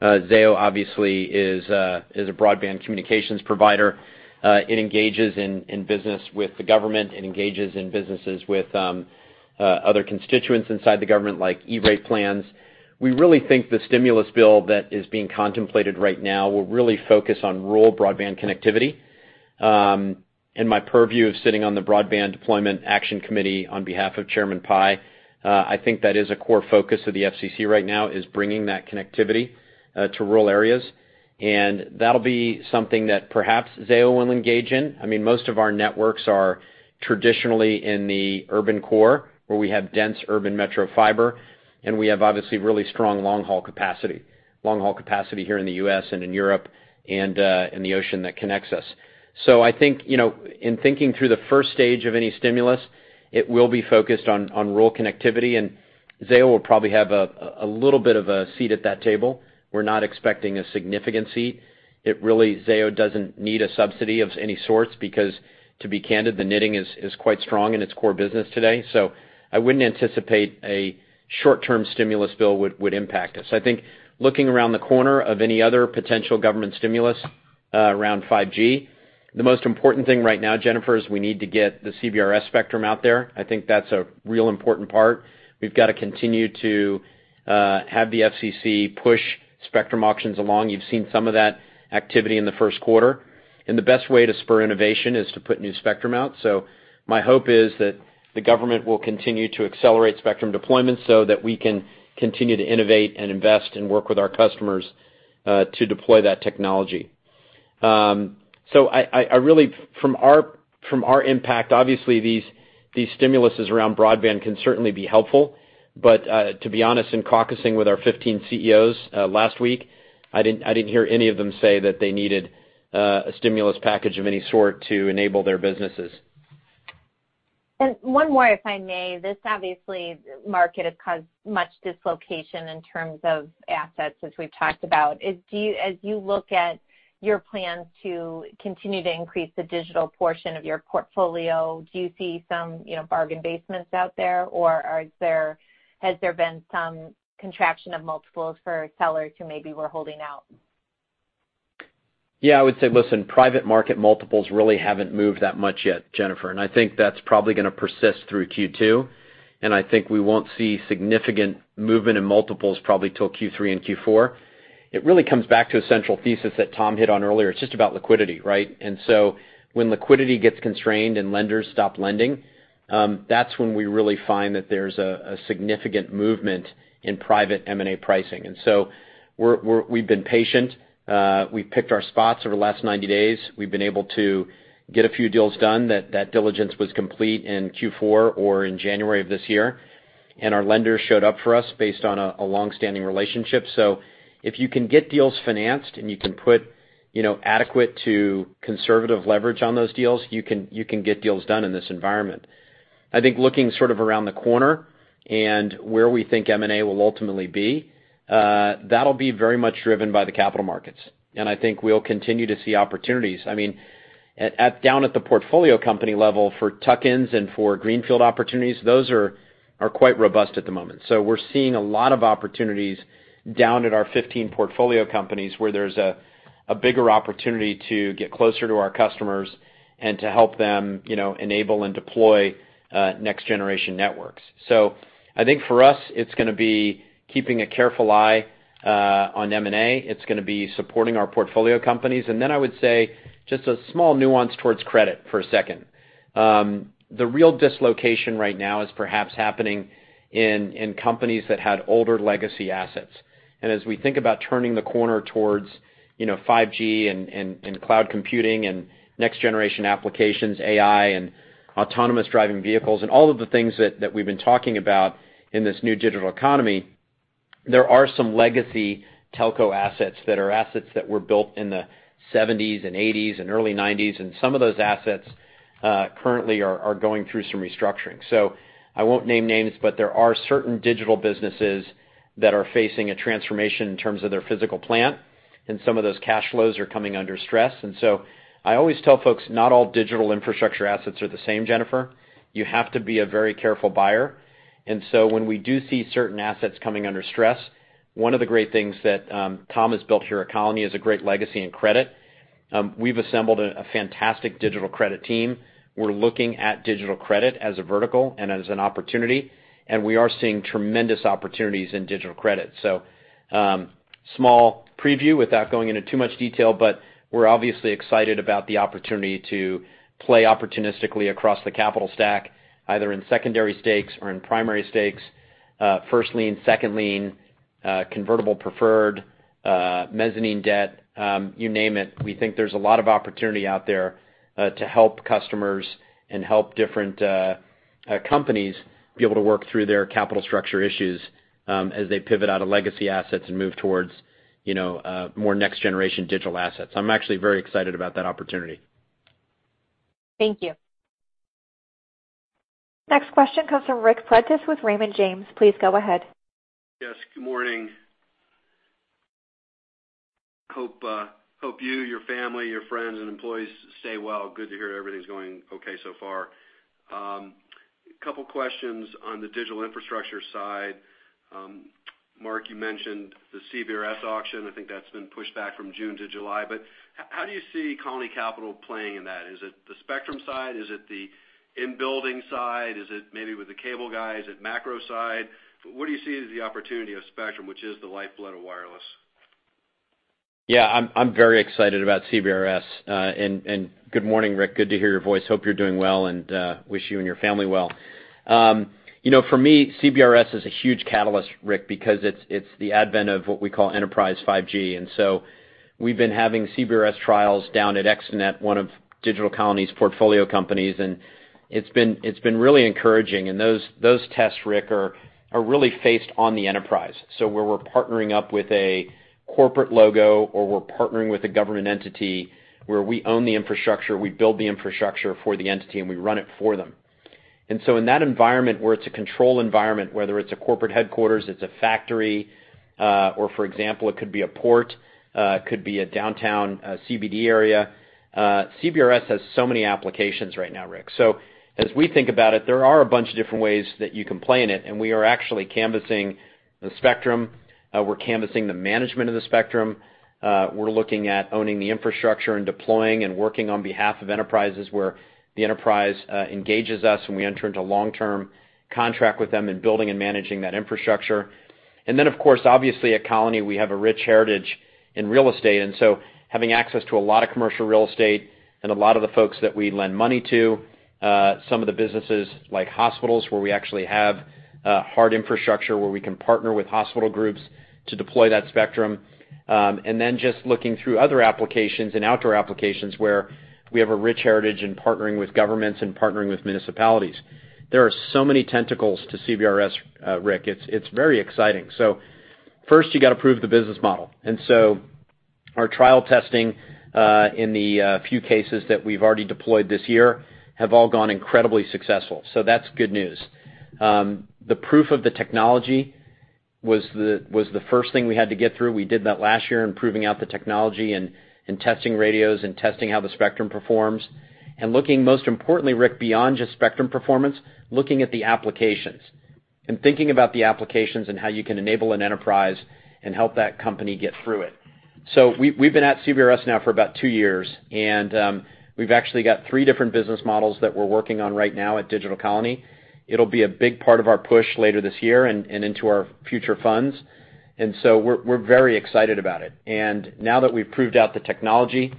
Zayo, obviously, is a broadband communications provider. It engages in business with the government. It engages in businesses with other constituents inside the government like E-rate plans. We really think the stimulus bill that is being contemplated right now will really focus on rural broadband connectivity. And my purview of sitting on the Broadband Deployment Action Committee on behalf of Chairman Pai, I think that is a core focus of the FCC right now, is bringing that connectivity to rural areas. And that'll be something that perhaps Zayo will engage in. I mean, most of our networks are traditionally in the urban core where we have dense urban metro fiber, and we have obviously really strong long-haul capacity here in the U.S. and in Europe and in the ocean that connects us. So I think in thinking through the first stage of any stimulus, it will be focused on rural connectivity. And Zayo will probably have a little bit of a seat at that table. We're not expecting a significant seat. Really, Zayo doesn't need a subsidy of any sort because, to be candid, the knitting is quite strong in its core business today. So I wouldn't anticipate a short-term stimulus bill would impact us. I think looking around the corner of any other potential government stimulus around 5G, the most important thing right now, Jennifer, is we need to get the CBRS spectrum out there. I think that's a real important part. We've got to continue to have the FCC push spectrum auctions along. You've seen some of that activity in the first quarter. And the best way to spur innovation is to put new spectrum out. So my hope is that the government will continue to accelerate spectrum deployment so that we can continue to innovate and invest and work with our customers to deploy that technology. So from our impact, obviously, these stimuluses around broadband can certainly be helpful. But to be honest, in caucusing with our 15 CEOs last week, I didn't hear any of them say that they needed a stimulus package of any sort to enable their businesses. And one more, if I may. This obviously, Mark, it has caused much dislocation in terms of assets, as we've talked about. As you look at your plans to continue to increase the digital portion of your portfolio, do you see some bargain basements out there? Or has there been some contraction of multiples for sellers who maybe were holding out? Yeah. I would say, listen, private market multiples really haven't moved that much yet, Jennifer. And I think that's probably going to persist through Q2. And I think we won't see significant movement in multiples probably till Q3 and Q4. It really comes back to a central thesis that Tom hit on earlier. It's just about liquidity, right? And so when liquidity gets constrained and lenders stop lending, that's when we really find that there's a significant movement in private M&A pricing. And so we've been patient. We've picked our spots over the last 90 days. We've been able to get a few deals done. That diligence was complete in Q4 or in January of this year. And our lenders showed up for us based on a long-standing relationship. So if you can get deals financed and you can put adequate to conservative leverage on those deals, you can get deals done in this environment. I think looking sort of around the corner and where we think M&A will ultimately be, that'll be very much driven by the capital markets. And I think we'll continue to see opportunities. I mean, down at the portfolio company level for tuck-ins and for greenfield opportunities, those are quite robust at the moment. So we're seeing a lot of opportunities down at our 15 portfolio companies where there's a bigger opportunity to get closer to our customers and to help them enable and deploy next-generation networks. So I think for us, it's going to be keeping a careful eye on M&A. It's going to be supporting our portfolio companies. And then I would say just a small nuance towards credit for a second. The real dislocation right now is perhaps happening in companies that had older legacy assets. And as we think about turning the corner towards 5G and cloud computing and next-generation applications, AI and autonomous driving vehicles and all of the things that we've been talking about in this new digital economy, there are some legacy telco assets that are assets that were built in the 1970s and 1980s and early 1990s. And some of those assets currently are going through some restructuring. So I won't name names, but there are certain digital businesses that are facing a transformation in terms of their physical plant. And some of those cash flows are coming under stress. And so I always tell folks, not all digital infrastructure assets are the same, Jennifer. You have to be a very careful buyer. When we do see certain assets coming under stress, one of the great things that Tom has built here at Colony is a great legacy in credit. We've assembled a fantastic digital credit team. We're looking at digital credit as a vertical and as an opportunity. We are seeing tremendous opportunities in digital credit. Small preview without going into too much detail, but we're obviously excited about the opportunity to play opportunistically across the capital stack, either in secondary stakes or in primary stakes, first lien, second lien, convertible preferred, mezzanine debt, you name it. We think there's a lot of opportunity out there to help customers and help different companies be able to work through their capital structure issues as they pivot out of legacy assets and move towards more next-generation digital assets. I'm actually very excited about that opportunity. Thank you. Next question comes from Ric Prentiss with Raymond James. Please go ahead. Yes. Good morning. Hope you, your family, your friends, and employees stay well. Good to hear everything's going okay so far. A couple of questions on the digital infrastructure side. Mark, you mentioned the CBRS auction. I think that's been pushed back from June to July. But how do you see Colony Capital playing in that? Is it the spectrum side? Is it the in-building side? Is it maybe with the cable guys? Is it macro side? What do you see as the opportunity of spectrum, which is the lifeblood of wireless? Yeah. I'm very excited about CBRS. And good morning, Rick. Good to hear your voice. Hope you're doing well and wish you and your family well. For me, CBRS is a huge catalyst, Rick, because it's the advent of what we call enterprise 5G. And so we've been having CBRS trials down at ExteNet, one of Digital Colony's portfolio companies. And it's been really encouraging. And those tests, Rick, are really focused on the enterprise. So where we're partnering up with a corporate logo or we're partnering with a government entity where we own the infrastructure, we build the infrastructure for the entity, and we run it for them. And so in that environment where it's a control environment, whether it's a corporate headquarters, it's a factory, or for example, it could be a port, it could be a downtown CBD area, CBRS has so many applications right now, Rick. So as we think about it, there are a bunch of different ways that you can play in it. And we are actually canvassing the spectrum. We're canvassing the management of the spectrum. We're looking at owning the infrastructure and deploying and working on behalf of enterprises where the enterprise engages us when we enter into a long-term contract with them in building and managing that infrastructure, and then, of course, obviously, at Colony, we have a rich heritage in real estate, and so having access to a lot of commercial real estate and a lot of the folks that we lend money to, some of the businesses like hospitals where we actually have hard infrastructure where we can partner with hospital groups to deploy that spectrum, and then just looking through other applications and outdoor applications where we have a rich heritage in partnering with governments and partnering with municipalities. There are so many tentacles to CBRS, Rick. It's very exciting, so first, you got to prove the business model. And so our trial testing in the few cases that we've already deployed this year have all gone incredibly successful. So that's good news. The proof of the technology was the first thing we had to get through. We did that last year in proving out the technology and testing radios and testing how the spectrum performs. And looking, most importantly, Rick, beyond just spectrum performance, looking at the applications and thinking about the applications and how you can enable an enterprise and help that company get through it. So we've been at CBRS now for about two years. And we've actually got three different business models that we're working on right now at Digital Colony. It'll be a big part of our push later this year and into our future funds. And so we're very excited about it. And now that we've proved out the technology,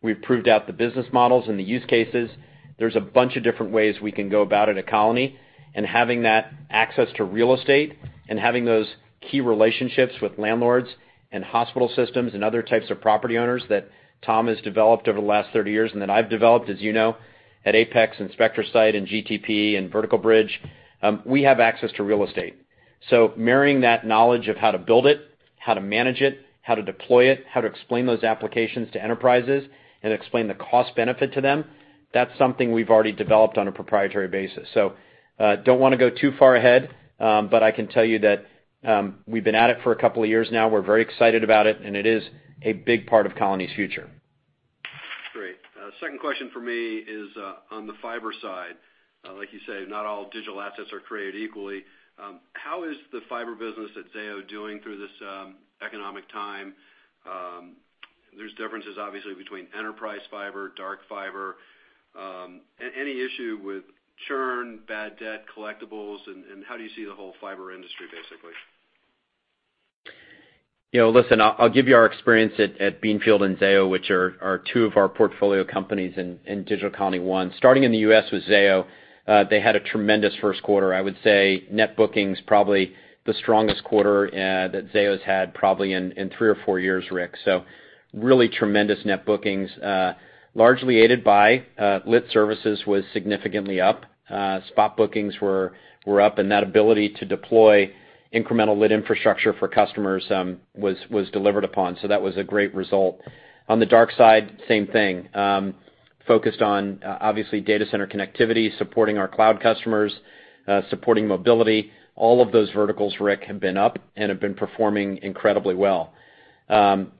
we've proved out the business models and the use cases, there's a bunch of different ways we can go about it at Colony. And having that access to real estate and having those key relationships with landlords and hospital systems and other types of property owners that Tom has developed over the last 30 years and that I've developed, as you know, at Apex and SpectraSite and GTP and Vertical Bridge, we have access to real estate. So marrying that knowledge of how to build it, how to manage it, how to deploy it, how to explain those applications to enterprises, and explain the cost-benefit to them, that's something we've already developed on a proprietary basis. So don't want to go too far ahead, but I can tell you that we've been at it for a couple of years now. We're very excited about it. And it is a big part of Colony's future. Great. Second question for me is on the fiber side. Like you say, not all digital assets are created equally. How is the fiber business at Zayo doing through this economic time? There's differences, obviously, between enterprise fiber, dark fiber, any issue with churn, bad debt, collectibles? And how do you see the whole fiber industry, basically? Yeah. Well, listen, I'll give you our experience at Beanfield and Zayo, which are two of our portfolio companies in Digital Colony One. Starting in the US with Zayo, they had a tremendous first quarter. I would say net bookings probably the strongest quarter that Zayo's had probably in three or four years, Rick. So really tremendous net bookings, largely aided by lit services was significantly up. Spot bookings were up. And that ability to deploy incremental lit infrastructure for customers was delivered upon. So that was a great result. On the dark side, same thing, focused on, obviously, data center connectivity, supporting our cloud customers, supporting mobility. All of those verticals, Rick, have been up and have been performing incredibly well.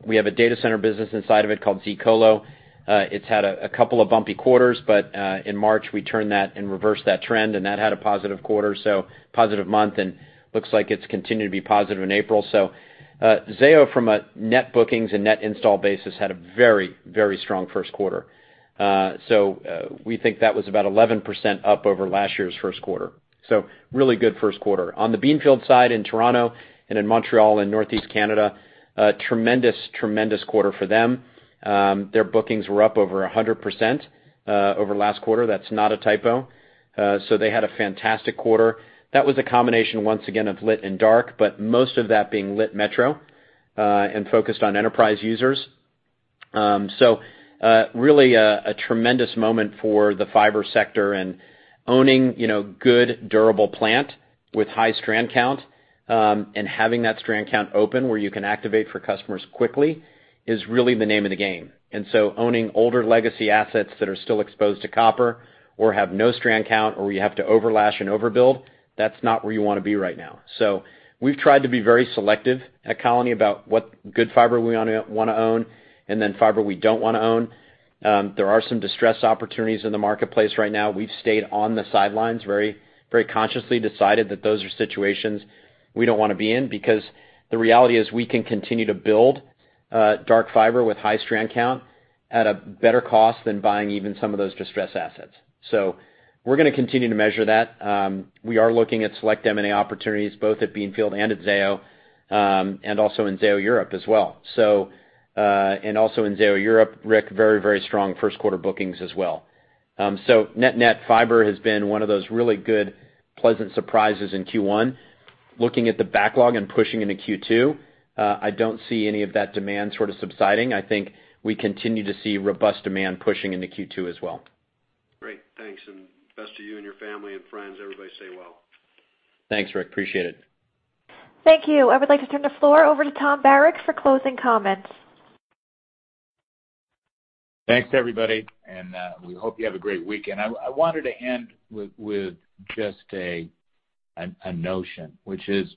We have a data center business inside of it called zColo. It's had a couple of bumpy quarters, but in March, we turned that and reversed that trend. And that had a positive quarter, so positive month. And looks like it's continued to be positive in April. So Zayo, from a net bookings and net install basis, had a very, very strong first quarter. So we think that was about 11% up over last year's first quarter. So really good first quarter. On the Beanfield side in Toronto and in Montreal in Northeast Canada, tremendous, tremendous quarter for them. Their bookings were up over 100% over last quarter. That's not a typo. So they had a fantastic quarter. That was a combination, once again, of lit and dark, but most of that being lit metro and focused on enterprise users. So really a tremendous moment for the fiber sector. And owning good, durable plant with high strand count and having that strand count open where you can activate for customers quickly is really the name of the game. And so owning older legacy assets that are still exposed to copper or have no strand count or you have to overlash and overbuild, that's not where you want to be right now. So we've tried to be very selective at Colony about what good fiber we want to own and then fiber we don't want to own. There are some distress opportunities in the marketplace right now. We've stayed on the sidelines, very consciously decided that those are situations we don't want to be in because the reality is we can continue to build dark fiber with high strand count at a better cost than buying even some of those distress assets. So we're going to continue to measure that. We are looking at select M&A opportunities both at Beanfield and at Zayo and also in Zayo Europe as well. And also in Zayo Europe, Rick, very, very strong first quarter bookings as well. So net-net fiber has been one of those really good, pleasant surprises in Q1. Looking at the backlog and pushing into Q2, I don't see any of that demand sort of subsiding. I think we continue to see robust demand pushing into Q2 as well. Great. Thanks. And best to you and your family and friends. Everybody stay well. Thanks, Rick. Appreciate it. Thank you. I would like to turn the floor over to Tom Barrack for closing comments. Thanks, everybody. And we hope you have a great weekend. I wanted to end with just a notion, which is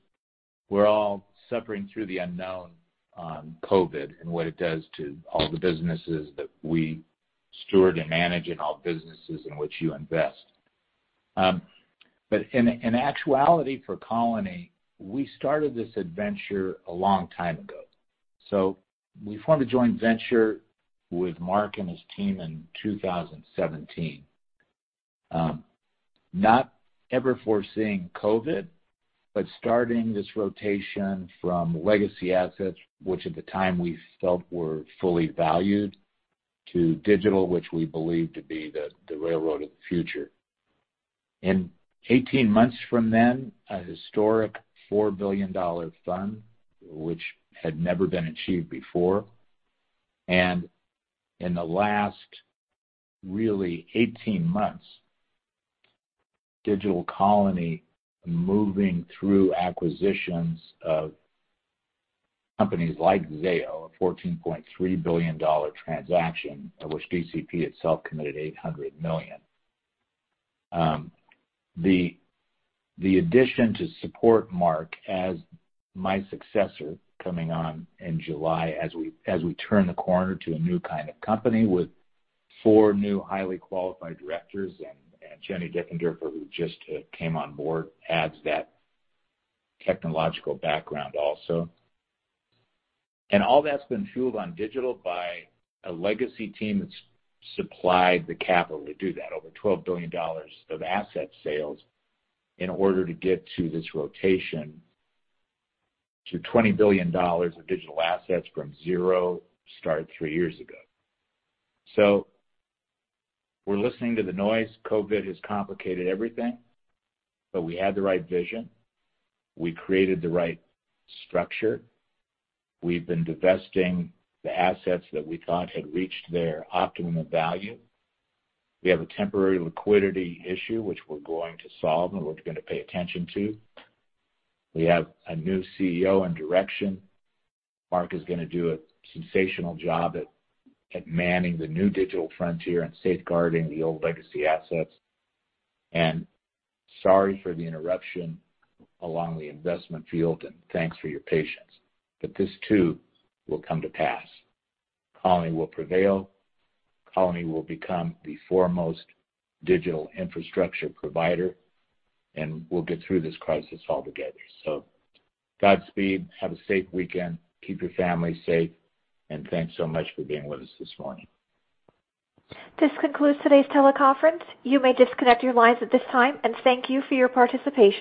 we're all suffering through the unknown on COVID and what it does to all the businesses that we steward and manage and all businesses in which you invest. But in actuality, for Colony, we started this adventure a long time ago. So we formed a joint venture with Marc and his team in 2017, not ever foreseeing COVID, but starting this rotation from legacy assets, which at the time we felt were fully valued, to digital, which we believed to be the railroad of the future. In 18 months from then, a historic $4 billion fund, which had never been achieved before. And in the last really 18 months, Digital Colony moving through acquisitions of companies like Zayo, a $14.3 billion transaction of which DCP itself committed $800 million. The addition to support Mark as my successor coming on in July as we turn the corner to a new kind of company with four new highly qualified directors and Jeannie Diefenderfer, who just came on board, adds that technological background also. And all that's been fueled on digital by a legacy team that's supplied the capital to do that, over $12 billion of asset sales in order to get to this rotation to $20 billion of digital assets from zero start three years ago. So we're listening to the noise. COVID has complicated everything, but we had the right vision. We created the right structure. We've been divesting the assets that we thought had reached their optimum of value. We have a temporary liquidity issue, which we're going to solve and we're going to pay attention to. We have a new CEO in direction. Mark is going to do a sensational job at manning the new digital frontier and safeguarding the old legacy assets, and sorry for the interruption along the investment field, and thanks for your patience, but this too will come to pass. Colony will prevail. Colony will become the foremost digital infrastructure provider, and we'll get through this crisis altogether, so Godspeed. Have a safe weekend. Keep your family safe, and thanks so much for being with us this morning. This concludes today's teleconference. You may disconnect your lines at this time, and thank you for your participation.